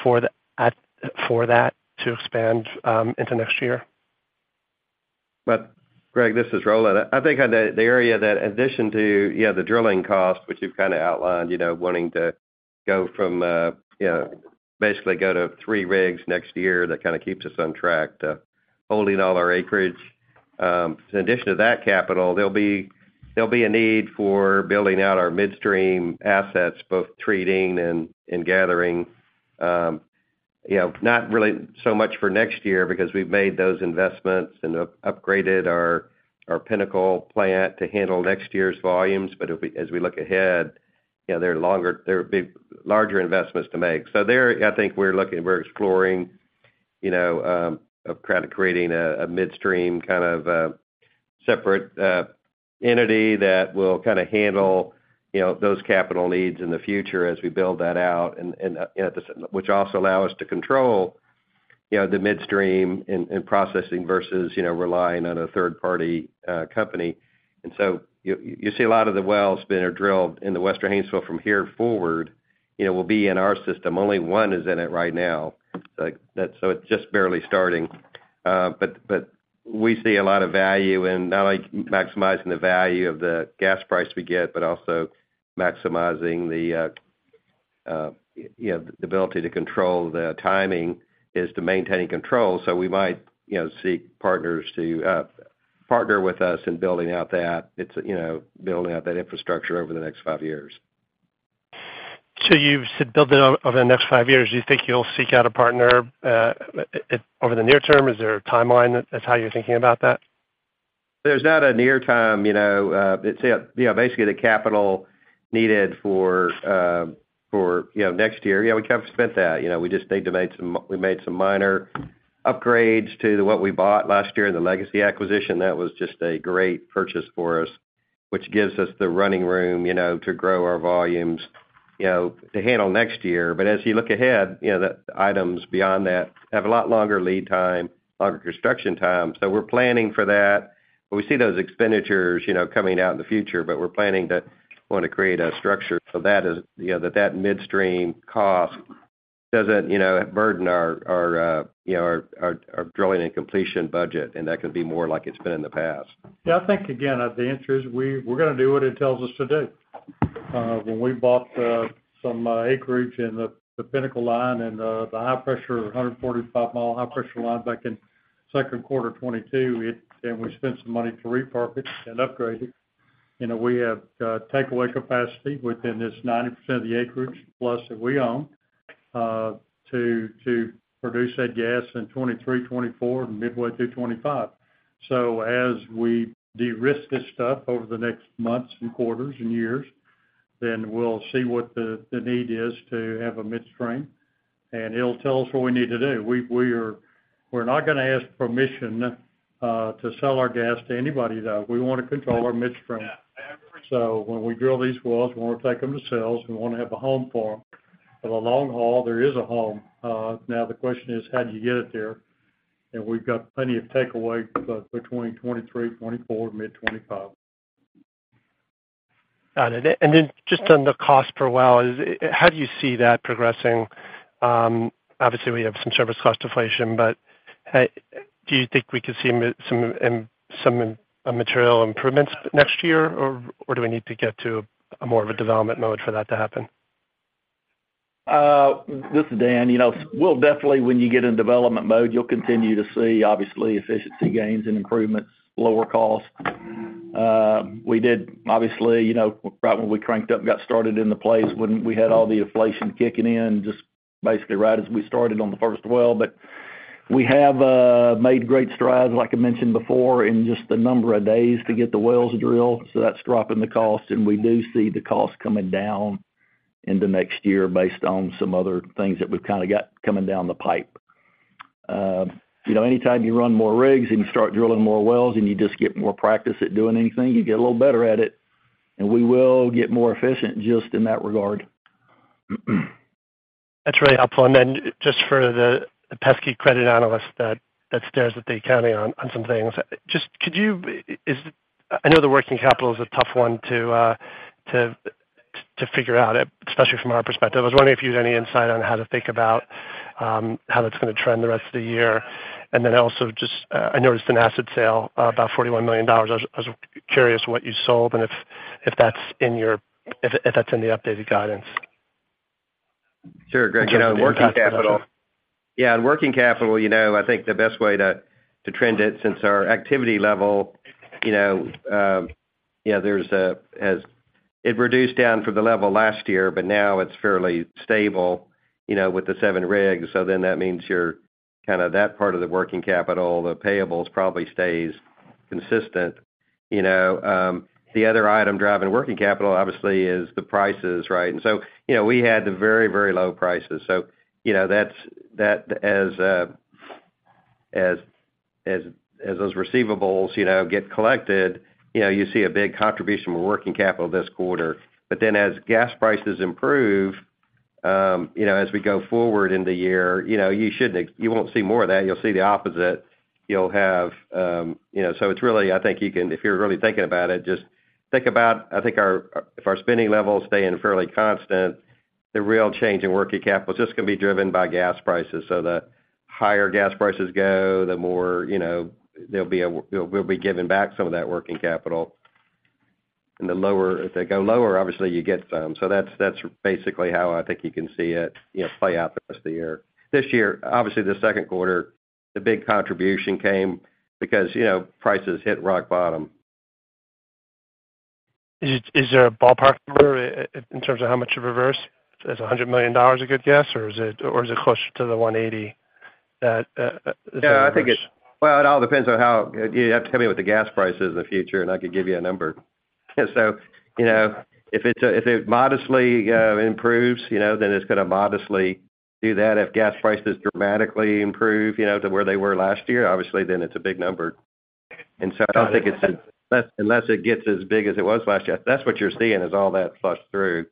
for that to expand, into next year? Gregg, this is Roland. I think the area that addition to, yeah, the drilling cost, which you've kind of outlined, you know, wanting to go from, you know, basically go to 3 rigs next year, that kind of keeps us on track to holding all our acreage. In addition to that capital, there'll be a need for building out our midstream assets, both treating and gathering. You know, not really so much for next year because we've made those investments and upgraded our Pinnacle plant to handle next year's volumes. As we look ahead, you know, there will be larger investments to make. There, I think we're looking, we're exploring, you know, of kind of creating a midstream, kind of, separate entity that will kind of handle, you know, those capital needs in the future as we build that out, and, which also allow us to control, you know, the midstream and, and processing versus, you know, relying on a third-party company. You, you see a lot of the wells that are drilled in the Western Haynesville from here forward... you know, will be in our system. Only 1 is in it right now. Like, so it's just barely starting. But we see a lot of value in not only maximizing the value of the gas price we get, but also maximizing the, you know, the ability to control the timing, is to maintaining control. We might, you know, seek partners to partner with us in building out that. It's, you know, building out that infrastructure over the next 5 years. You said build it out over the next 5 years. Do you think you'll seek out a partner, over the near term? Is there a timeline, that's how you're thinking about that? There's not a near term, you know, you know, basically, the capital needed, you know, next year. Yeah, we kind of spent that. You know, we made some minor upgrades to what we bought last year in the Legacy acquisition. That was just a great purchase for us, which gives us the running room, you know, to grow our volumes, you know, to handle next year. As you look ahead, you know, the items beyond that have a lot longer lead time, longer construction time. We're planning for that. We see those expenditures, you know, coming out in the future, but we're planning to want to create a structure so that is, you know, that that midstream cost doesn't, you know, burden our, our, you know, our, our, our drilling and completion budget, and that can be more like it's been in the past. Yeah, I think, again, the answer is, we, we're gonna do what it tells us to do. When we bought some acreage in the Pinnacle line and the high pressure, 145 mile high pressure line back in second quarter 2022, and we spent some money to repurpose it and upgrade it. You know, we have takeaway capacity within this 90% of the acreage, plus that we own, to produce that gas in 2023, 2024, and midway through 2025. As we de-risk this stuff over the next months and quarters and years, then we'll see what the, the need is to have a midstream, and it'll tell us what we need to do. We're not gonna ask permission to sell our gas to anybody, though. We want to control our midstream. When we drill these wells, we want to take them to sales. We want to have a home for them. In the long haul, there is a home. Now, the question is, how do you get it there? We've got plenty of takeaway, between 2023, 2024, mid 2025. Got it. Then just on the cost per well, how do you see that progressing? Obviously, we have some service cost deflation, but do you think we could see some, some material improvements next year, or, or do we need to get to a more of a development mode for that to happen? This is Dan. You know, we'll definitely, when you get in development mode, you'll continue to see, obviously, efficiency gains and improvements, lower costs. We did, obviously, you know, right when we cranked up and got started in the plays, when we had all the inflation kicking in, just basically right as we started on the first well. We have made great strides, like I mentioned before, in just the number of days to get the wells drilled, so that's dropping the cost, and we do see the cost coming down into next year based on some other things that we've kind of got coming down the pipe. You know, anytime you run more rigs and you start drilling more wells, and you just get more practice at doing anything, you get a little better at it, and we will get more efficient just in that regard. That's really helpful. Just for the pesky credit analyst that, that stares at the accounting on, on some things. I know the working capital is a tough one to, to, to figure out, especially from our perspective. I was wondering if you had any insight on how to think about how that's gonna trend the rest of the year? Also just, I noticed an asset sale, about $41 million. I was, I was curious what you sold and if, if that's in your-- if, if that's in the updated guidance? Sure, Gregg. On working capital, you know, I think the best way to trend it, since our activity level, you know, it reduced down from the level last year, but now it's fairly stable, you know, with the seven rigs. That means you're kind of that part of the working capital, the payables, probably stays consistent. You know, the other item driving working capital, obviously, is the prices, right? You know, we had the very, very low prices. You know, that's that, as those receivables, you know, get collected, you know, you see a big contribution from working capital this quarter. As gas prices improve, you know, as we go forward in the year, you know, you shouldn't-- you won't see more of that, you'll see the opposite. You'll have, you know, it's really I think if you're really thinking about it, just think about, I think our, if our spending levels stay in fairly constant, the real change in working capital is just gonna be driven by gas prices. The higher gas prices go, the more, you know, we'll be giving back some of that working capital. The lower, if they go lower, obviously, you get some. That's, that's basically how I think you can see it, you know, play out the rest of the year. This year, obviously, the second quarter, the big contribution came because, you know, prices hit rock bottom. Is, is there a ballpark figure in terms of how much you reverse? Is $100 million a good guess, or is it, or is it close to the 180 that? Yeah, you have to tell me what the gas price is in the future, and I could give you a number. You know, if it modestly improves, you know, then it's gonna modestly do that. If gas prices dramatically improve, you know, to where they were last year, obviously, then it's a big number. I don't think it's, unless, unless it gets as big as it was last year, that's what you're seeing is all that flush through,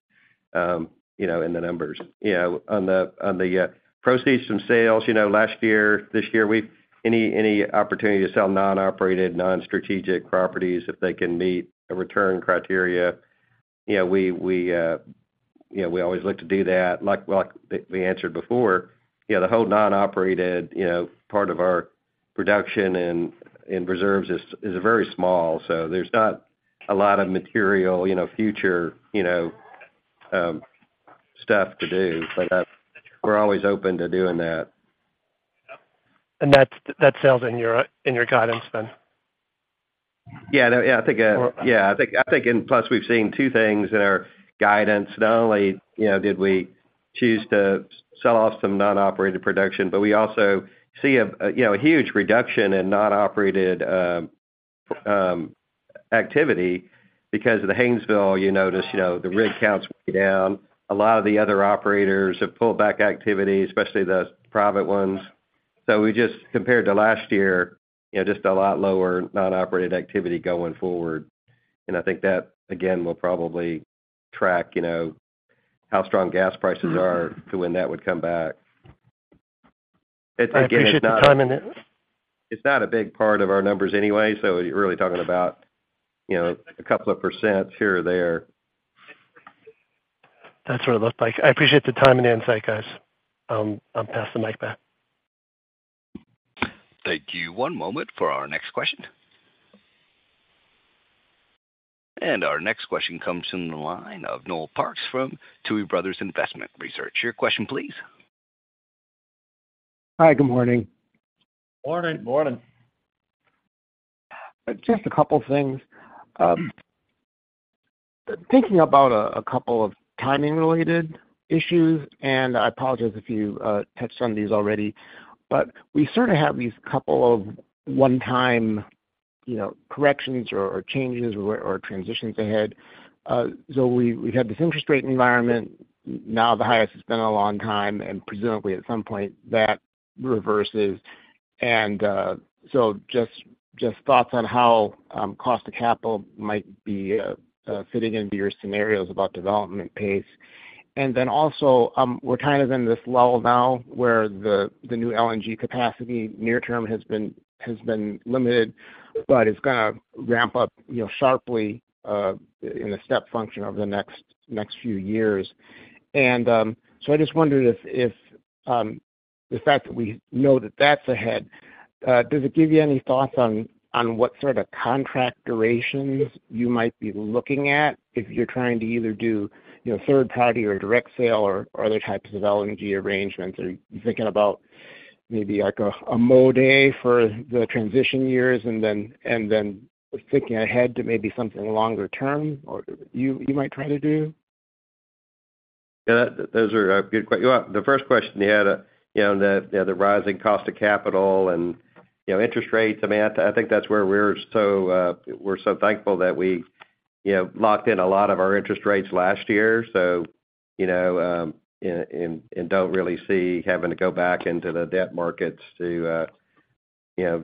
you know, in the numbers. You know, on the, on the proceeds from sales, you know, last year, this year, we've any, any opportunity to sell non-operated, non-strategic properties, if they can meet the return criteria, you know, we, we... Yeah, we always look to do that. Like we answered before, yeah, the whole non-operated, you know, part of our production and, and reserves is, is very small, so there's not a lot of material, you know, future, you know, stuff to do, but we're always open to doing that. That's, that sales in your, in your guidance then? Yeah. Yeah, I think, yeah, I think, I think plus, we've seen two things in our guidance. Not only, you know, did we choose to sell off some non-operated production, but we also see a, you know, a huge reduction in non-operated activity because of the Haynesville, you notice, you know, the rig counts down. A lot of the other operators have pulled back activity, especially the private ones. We just compared to last year, you know, just a lot lower non-operated activity going forward. I think that, again, will probably track, you know, how strong gas prices are to when that would come back. It's not a big part of our numbers anyway. You're really talking about, you know, a couple of percent here or there. That's what it looked like. I appreciate the time and the insight, guys. I'll pass the mic back. Thank you. One moment for our next question. Our next question comes from the line of Noel Parks from Tuohy Brothers Investment Research. Your question, please. Hi, good morning. Morning. Morning. Just a couple of things. Thinking about a couple of timing-related issues, and I apologize if you touched on these already, but we sort of have these couple of one-time, you know, corrections or, or changes or, or transitions ahead. We, we had this interest rate environment, now the highest it's been in a long time, and presumably at some point that reverses. Just, just thoughts on how cost of capital might be fitting into your scenarios about development pace. Also, we're kind of in this lull now where the new LNG capacity near term has been, has been limited, but it's going to ramp up, you know, sharply in a step function over the next, next few years. I just wondered if, if the fact that we know that that's ahead, does it give you any thoughts on what sort of contract durations you might be looking at if you're trying to either do, you know, third party or direct sale or other types of LNG arrangements? Are you thinking about maybe like a, a mode for the transition years and then, and then thinking ahead to maybe something longer term, or you, you might try to do? Yeah, those are a good Well, the first question, you had, you know, the, the rising cost of capital and, you know, interest rates. I mean, I, I think that's where we're so, we're so thankful that we, you know, locked in a lot of our interest rates last year. You know, and, and, and don't really see having to go back into the debt markets to, you know,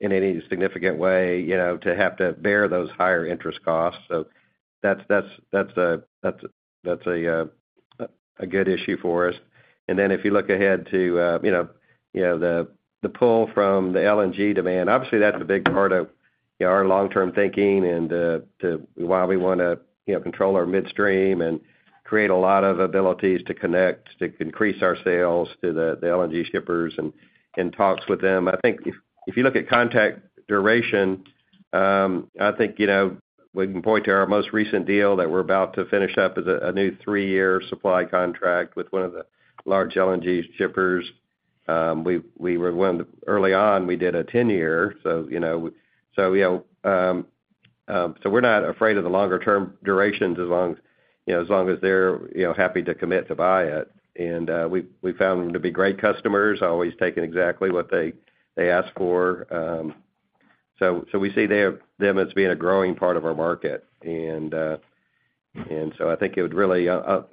in any significant way, you know, to have to bear those higher interest costs. That's, that's, that's a, that's, that's a, a good issue for us. Then if you look ahead to, you know, you know, the, the pull from the LNG demand, obviously, that's a big part of, you know, our long-term thinking and to why we want to, you know, control our midstream and create a lot of abilities to connect, to increase our sales to the, the LNG shippers and, and talks with them. I think if, if you look at contact duration, I think, you know, we can point to our most recent deal that we're about to finish up, is a, a new 3-year supply contract with one of the large LNG shippers. Early on, we did a 10-year, so, you know, so, you know, so we're not afraid of the longer-term durations as long, you know, as long as they're, you know, happy to commit to buy it. We, we found them to be great customers, always taking exactly what they, they ask for. So we see their- them as being a growing part of our market. And I think it would really,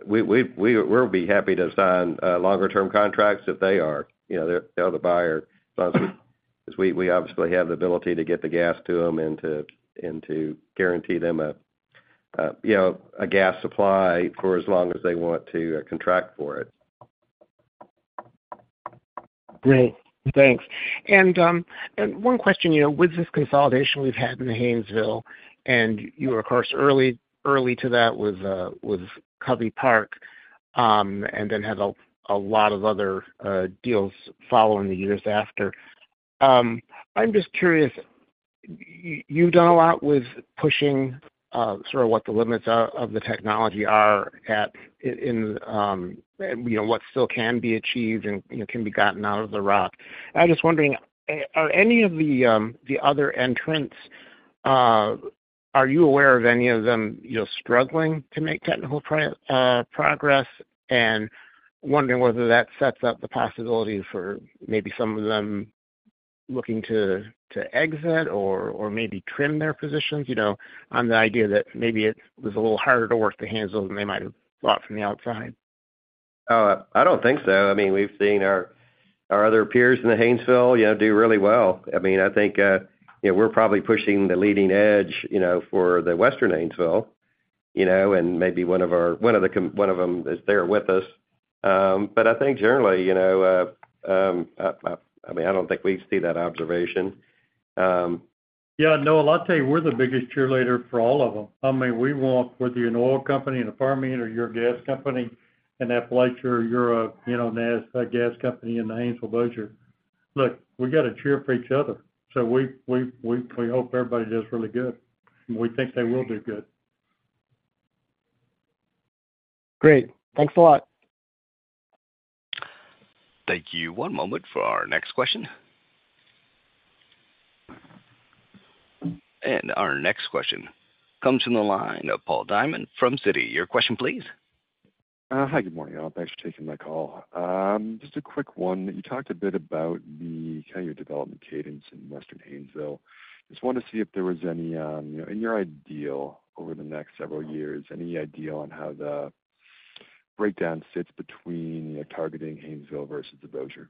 we, we'll, we'll be happy to sign longer term contracts if they are, you know, they're the buyer. Because we, we obviously have the ability to get the gas to them and to, and to guarantee them a, you know, a gas supply for as long as they want to contract for it. Great. Thanks. One question, you know, with this consolidation we've had in the Haynesville, and you were, of course, early, early to that with Covey Park, and then had a lot of other deals following the years after. I'm just curious, you've done a lot with pushing sort of what the limits are-- of the technology are at, in, you know, what still can be achieved and, you know, can be gotten out of the rock. I'm just wondering, are any of the other entrants, are you aware of any of them, you know, struggling to make technical progress? Wondering whether that sets up the possibility for maybe some of them looking to, to exit or, or maybe trim their positions, you know, on the idea that maybe it was a little harder to work the hands-on than they might have thought from the outside. I don't think so. I mean, we've seen our, our other peers in the Haynesville, you know, do really well. I mean, I think, you know, we're probably pushing the leading edge, you know, for the Western Haynesville, you know, and maybe one of our- one of the com- one of them is there with us. I think generally, you know, I, I mean, I don't think we see that observation. Yeah, Noah, I'll tell you, we're the biggest cheerleader for all of them. I mean, we want, whether you're an oil company and a farm unit, or you're a gas company in Appalachia, you're a, you know, a gas company in the Haynesville Bossier. Look, we got to cheer for each other, so we, we, we, we hope everybody does really good. We think they will do good. Great. Thanks a lot. Thank you. One moment for our next question. Our next question comes from the line of Paul Diamond from Citi. Your question, please. Hi, good morning, all. Thanks for taking my call. Just a quick one. You talked a bit about the kind of your development cadence in Western Haynesville. Just wanted to see if there was any, you know, in your ideal over the next several years, any ideal on how the breakdown sits between targeting Haynesville versus the Bossier?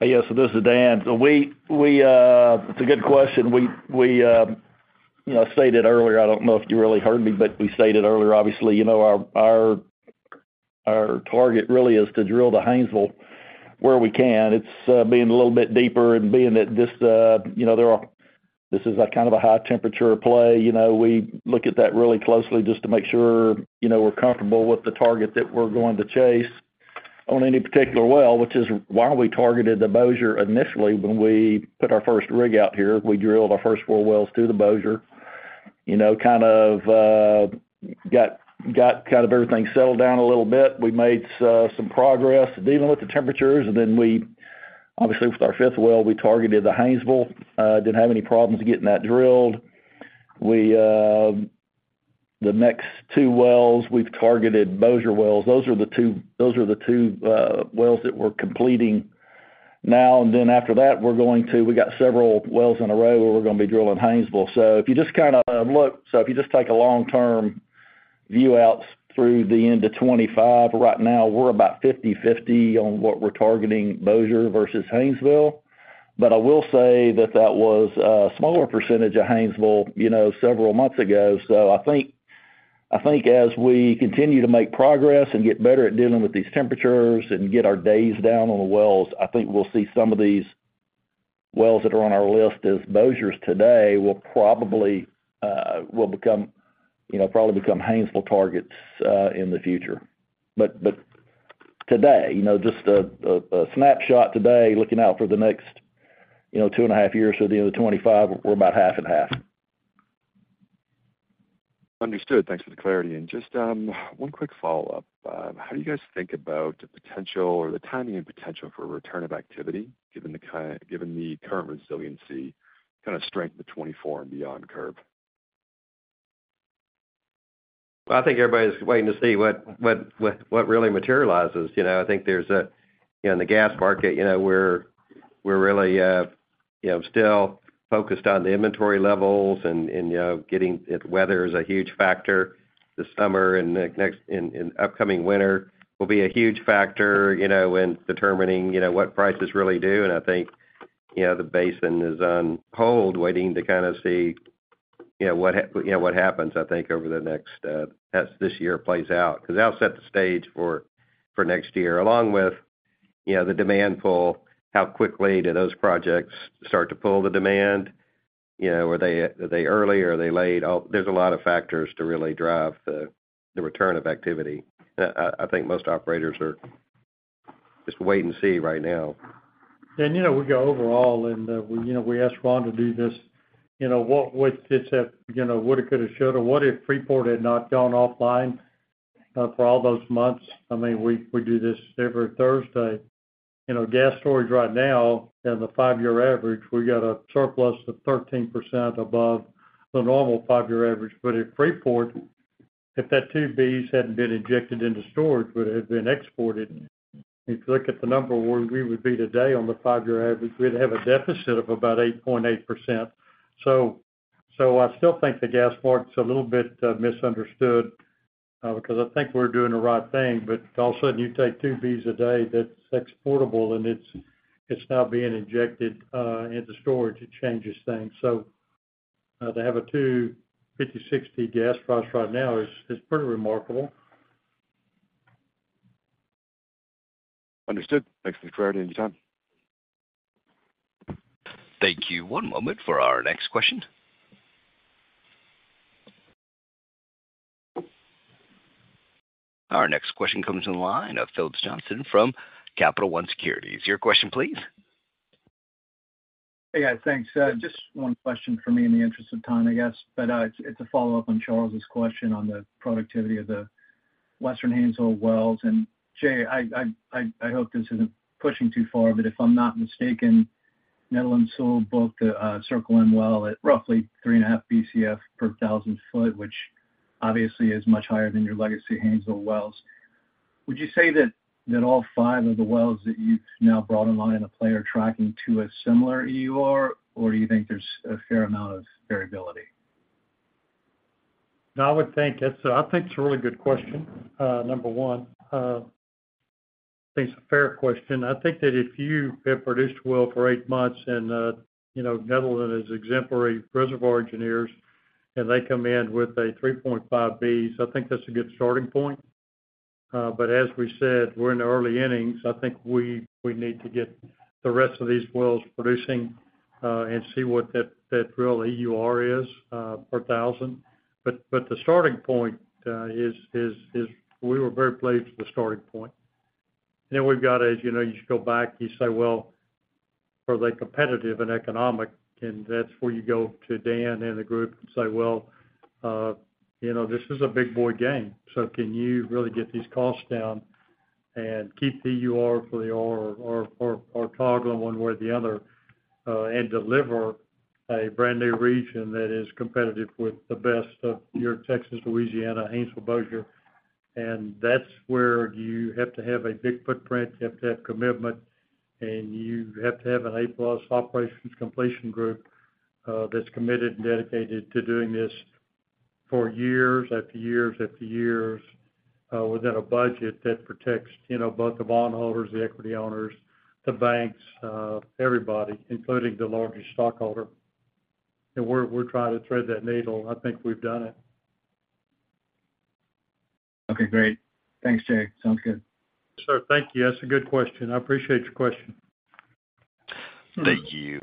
Yes, this is Dan. We, we, It's a good question. We, we, you know, stated earlier, I don't know if you really heard me, but we stated earlier, obviously, you know, our, our, our target really is to drill the Haynesville where we can. It's, being a little bit deeper and being that this, you know, there are-- this is a kind of a high-temperature play. You know, we look at that really closely just to make sure, you know, we're comfortable with the target that we're going to chase on any particular well, which is why we targeted the Bossier initially, when we put our first rig out here. We drilled our first four wells to the Bossier, you know, kind of, got, got kind of everything settled down a little bit. We made some progress dealing with the temperatures. Then we obviously, with our fifth well, we targeted the Haynesville. Didn't have any problems getting that drilled. We, the next two wells, we've targeted Bossier wells. Those are the two, those are the two wells that we're completing now. Then after that, we're going to. We got several wells in a row where we're going to be drilling Haynesville. If you just kind of look, so if you just take a long-term view out through the end of 2025, right now, we're about 50/50 on what we're targeting, Bossier versus Haynesville. I will say that that was a smaller percentage of Haynesville, you know, several months ago. I think, I think as we continue to make progress and get better at dealing with these temperatures and get our days down on the wells, I think we'll see some of these wells that are on our list as Bossiers today, will probably, will become, you know, probably become Haynesville targets, in the future. Today, you know, just a, a, a snapshot today, looking out for the next, you know, 2.5 years to the end of 2025, we're about half and half. Understood. Thanks for the clarity. Just one quick follow-up. How do you guys think about the potential or the timing and potential for a return of activity, given the current resiliency, kind of strength of 2024 and beyond curve? I think everybody's waiting to see what really materializes. You know, I think there's a, in the gas market, you know, we're, we're really, you know, still focused on the inventory levels and, and, you know, weather is a huge factor this summer and next, and, and upcoming winter will be a huge factor, you know, in determining, you know, what prices really do. I think, you know, the basin is on hold, waiting to kind of see, you know, what happens, I think, over the next, as this year plays out, because that'll set the stage for, for next year, along with, you know, the demand pull, how quickly do those projects start to pull the demand? You know, were they, were they early or are they late? There's a lot of factors to really drive the, the return of activity. I, I think most operators are just wait and see right now. You know, we go overall, you know, we asked Ron to do this. You know, what, what it's at, you know, woulda, coulda, shoulda, what if Freeport had not gone offline for all those months? I mean, we, we do this every Thursday. You know, gas storage right now, in the five-year average, we got a surplus of 13% above the normal five-year average. If Freeport, if that 2 Bs hadn't been injected into storage, would have been exported, if you look at the number where we would be today on the five-year average, we'd have a deficit of about 8.8%. so I still think the gas market's a little bit misunderstood because I think we're doing the right thing, but all of a sudden, you take 2 Bcf a day, that's exportable, and it's, it's now being injected into storage, it changes things. To have a $2.50-$2.60 gas price right now is pretty remarkable. Understood. Thanks for the clarity and your time. Thank you. One moment for our next question. Our next question comes in the line of Phillips Johnston from Capital One Securities. Your question, please. Hey, guys, thanks. Just one question for me in the interest of time, I guess, but it's a follow-up on Charles's question on the productivity of the Western Haynesville wells. Jay, I hope this isn't pushing too far, but if I'm not mistaken, Netherland, Sewell booked a Circle M well at roughly 3.5 Bcf per 1,000 foot, which obviously is much higher than your legacy Haynesville wells. Would you say that all five of the wells that you've now brought online at Play are tracking to a similar EUR, or do you think there's a fair amount of variability? I think it's a really good question, number one. I think it's a fair question. I think that if you have produced a well for eight months and, you know, Netherland is exemplary reservoir engineers, and they come in with a 3.5 Bcf, I think that's a good starting point. As we said, we're in the early innings. I think we, we need to get the rest of these wells producing, and see what that, that real EUR is, per 1,000. The starting point, is, is, is we were very pleased with the starting point. We've got, as you know, you go back, you say, well, are they competitive and economic? That's where you go to Dan and the group and say, well, you know, this is a big boy game, so can you really get these costs down and keep the EUR for the OR, or, or toggle one way or the other, and deliver a brand new region that is competitive with the best of your Texas, Louisiana, Haynesville, Bossier? That's where you have to have a big footprint, you have to have commitment, and you have to have an A+ operations completion group, that's committed and dedicated to doing this for years after years after years, within a budget that protects, you know, both the bondholders, the equity owners, the banks, everybody, including the largest stockholder. We're, we're trying to thread that needle. I think we've done it. Okay, great. Thanks, Jay. Sounds good. Sir, thank you. That's a good question. I appreciate your question. Thank you.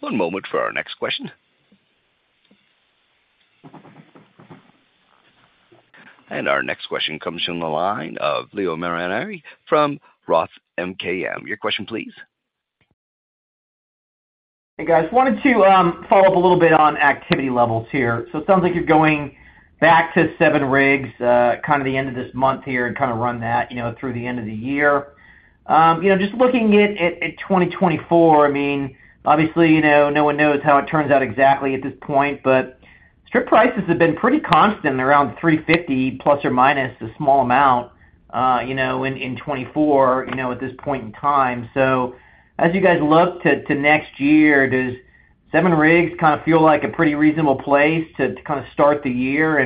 One moment for our next question. Our next question comes from the line of Leo Mariani from Roth MKM. Your question, please. Hey, guys, wanted to follow up a little bit on activity levels here. It sounds like you're going back to seven rigs, kind of the end of this month here and kind of run that, you know, through the end of the year. You know, just looking at 2024, I mean, obviously, you know, no one knows how it turns out exactly at this point, but strip prices have been pretty constant around $3.50± a small amount, you know, in 2024, you know, at this point in time. As you guys look to next year, does seven rigs kind of feel like a pretty reasonable place to kind of start the year?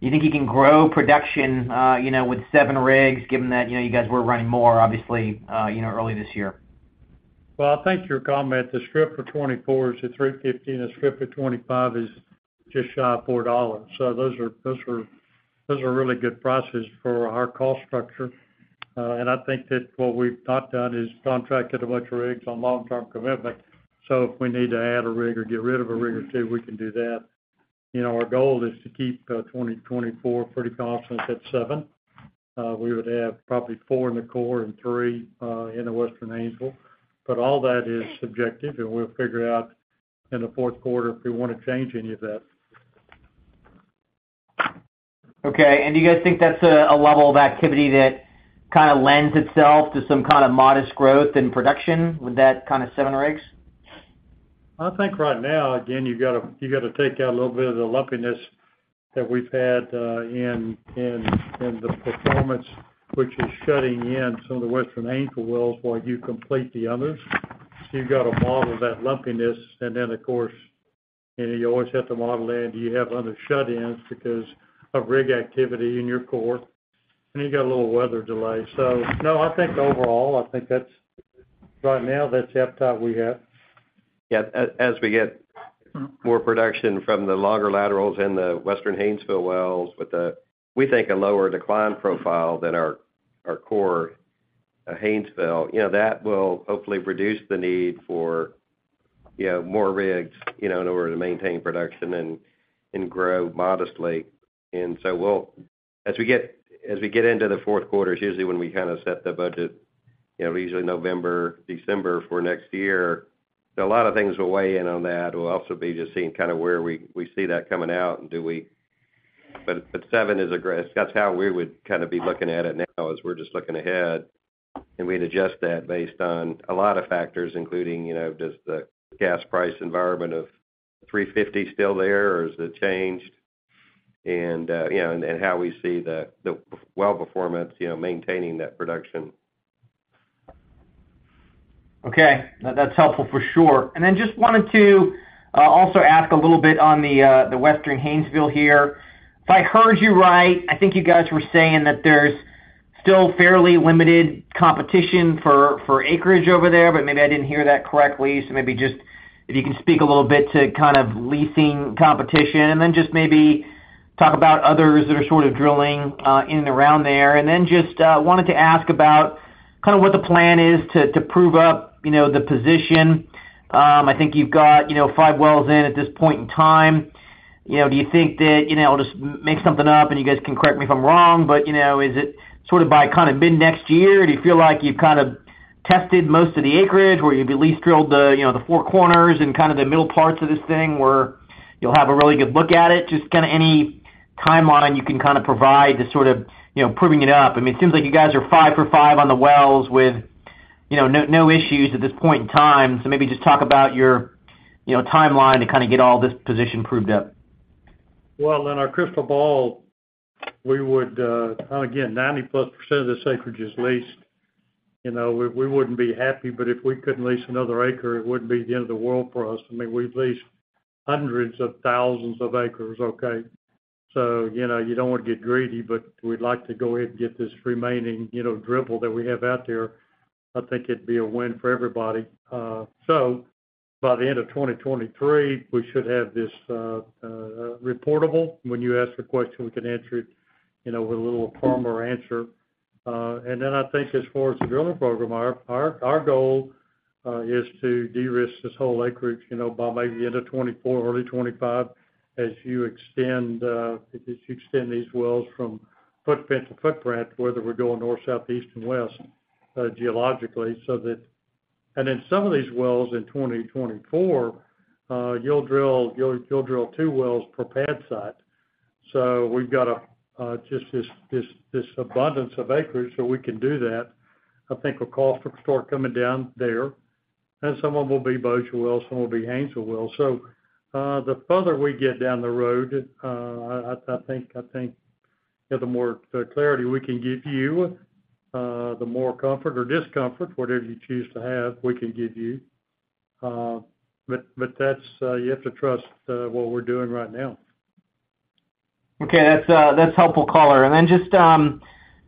You think you can grow production, you know, with seven rigs, given that, you know, you guys were running more, obviously, you know, earlier this year? Well, I think your comment, the strip for 2024 is at $3.50, and the strip for 2025 is just shy of $4. Those are, those are, those are really good prices for our cost structure. I think that what we've not done is contracted a bunch of rigs on long-term commitment. If we need to add a rig or get rid of a rig or two, we can do that. You know, our goal is to keep, 2024 pretty confident at seven. We would have probably four in the core and three, in the Western Haynesville. All that is subjective, and we'll figure out in the fourth quarter if we want to change any of that. Okay. Do you guys think that's a, a level of activity that kind of lends itself to some kind of modest growth in production with that kind of seven rigs? I think right now, again, you've got to, you've got to take out a little bit of the lumpiness that we've had in the performance, which is shutting in some of the Western Haynesville wells while you complete the others. You've got to model that lumpiness, and then, of course, you always have to model in, do you have other shut-ins because of rig activity in your core, and you got a little weather delay. No, I think overall, I think that's right now, that's the appetite we have. Yeah. As we get more production from the longer laterals in the Western Haynesville wells with a, we think, a lower decline profile than our, our core Haynesville, you know, that will hopefully reduce the need for, you know, more rigs, you know, in order to maintain production and grow modestly. So, as we get into the fourth quarter, is usually when we kind of set the budget, you know, usually November, December for next year. A lot of things will weigh in on that. We'll also be just seeing kind of where we see that coming out and do we... seven is a great-- that's how we would kind of be looking at it now, as we're just looking ahead, and we'd adjust that based on a lot of factors, including, you know, does the gas price environment of $3.50 still there, or has it changed? you know, and how we see the, the well performance, you know, maintaining that production. Okay. That's helpful for sure. Just wanted to also ask a little bit on the Western Haynesville here. If I heard you right, I think you guys were saying that there's still fairly limited competition for, for acreage over there, but maybe I didn't hear that correctly. Maybe just if you can speak a little bit to kind of leasing competition, and then just maybe talk about others that are sort of drilling in and around there. Just wanted to ask about kind of what the plan is to prove up, you know, the position. I think you've got, you know, five wells in at this point in time. You know, do you think that, you know, I'll just make something up, and you guys can correct me if I'm wrong, but, you know, is it sort of by kind of mid-next year? Do you feel like you've kind of tested most of the acreage, or you've at least drilled the, you know, the four corners and kind of the middle parts of this thing, where you'll have a really good look at it? Just kind of any timeline you can kind of provide to sort of, you know, proving it up. I mean, it seems like you guys are five for five on the wells with, you know, no, no issues at this point in time. Maybe just talk about your, you know, timeline to kind of get all this position proved up. Well, in our crystal ball, we would, again, 90%+ of this acreage is leased. You know, we, we wouldn't be happy, but if we couldn't lease another acre, it wouldn't be the end of the world for us. I mean, we've leased hundreds of thousands of acres, okay? You know, you don't want to get greedy, but we'd like to go ahead and get this remaining, you know, dribble that we have out there. I think it'd be a win for everybody. By the end of 2023, we should have this, reportable. When you ask the question, we can answer it, you know, with a little firmer answer. Then I think as far as the drilling program, our, our, our goal is to de-risk this whole acreage, you know, by maybe the end of 2024, early 2025, as you extend, as you extend these wells from footprint to footprint, whether we're going north, south, east, and west, geologically. In some of these wells in 2024, you'll drill, you'll, you'll drill two wells per pad site. We've got a just this, this, this abundance of acreage, so we can do that. I think we'll call for the store coming down there, and some of them will be Bossier, some will be Haynesville. The further we get down the road, I think, I think, the more clarity we can give you, the more comfort or discomfort, whatever you choose to have, we can give you. But that's, you have to trust, what we're doing right now. Okay, that's, that's helpful, Caller. Then just,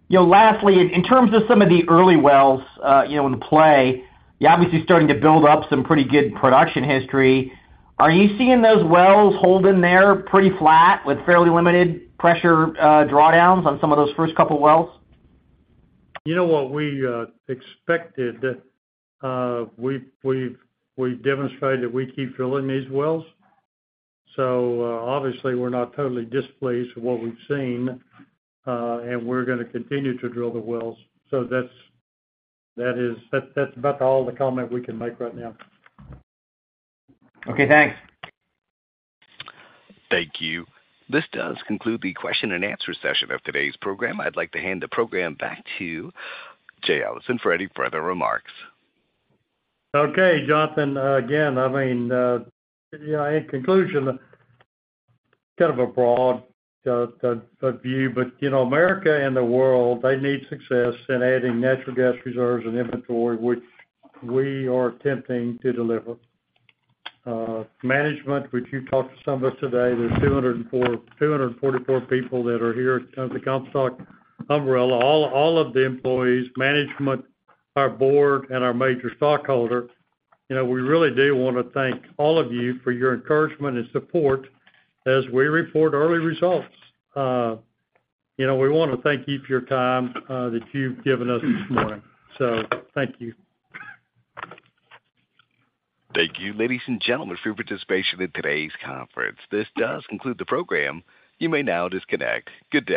you know, lastly, in terms of some of the early wells, you know, in play, you're obviously starting to build up some pretty good production history. Are you seeing those wells holding there pretty flat, with fairly limited pressure, drawdowns on some of those first couple wells? You know what? We expected, we've demonstrated that we keep drilling these wells, obviously, we're not totally displaced with what we've seen, and we're gonna continue to drill the wells. That's about all the comment we can make right now. Okay, thanks. Thank you. This does conclude the question and answer session of today's program. I'd like to hand the program back to Jay Allison for any further remarks. Okay, Jonathan, again, I mean, you know, in conclusion, kind of a broad view, but, you know, America and the world, they need success in adding natural gas reserves and inventory, which we are attempting to deliver. Management, which you talked to some of us today, there's 244 people that are here under the Comstock umbrella. All, all of the employees, management, our board, and our major stockholder, you know, we really do want to thank all of you for your encouragement and support as we report early results. You know, we want to thank you for your time that you've given us this morning. Thank you. Thank you, ladies and gentlemen, for your participation in today's conference. This does conclude the program. You may now disconnect. Good day.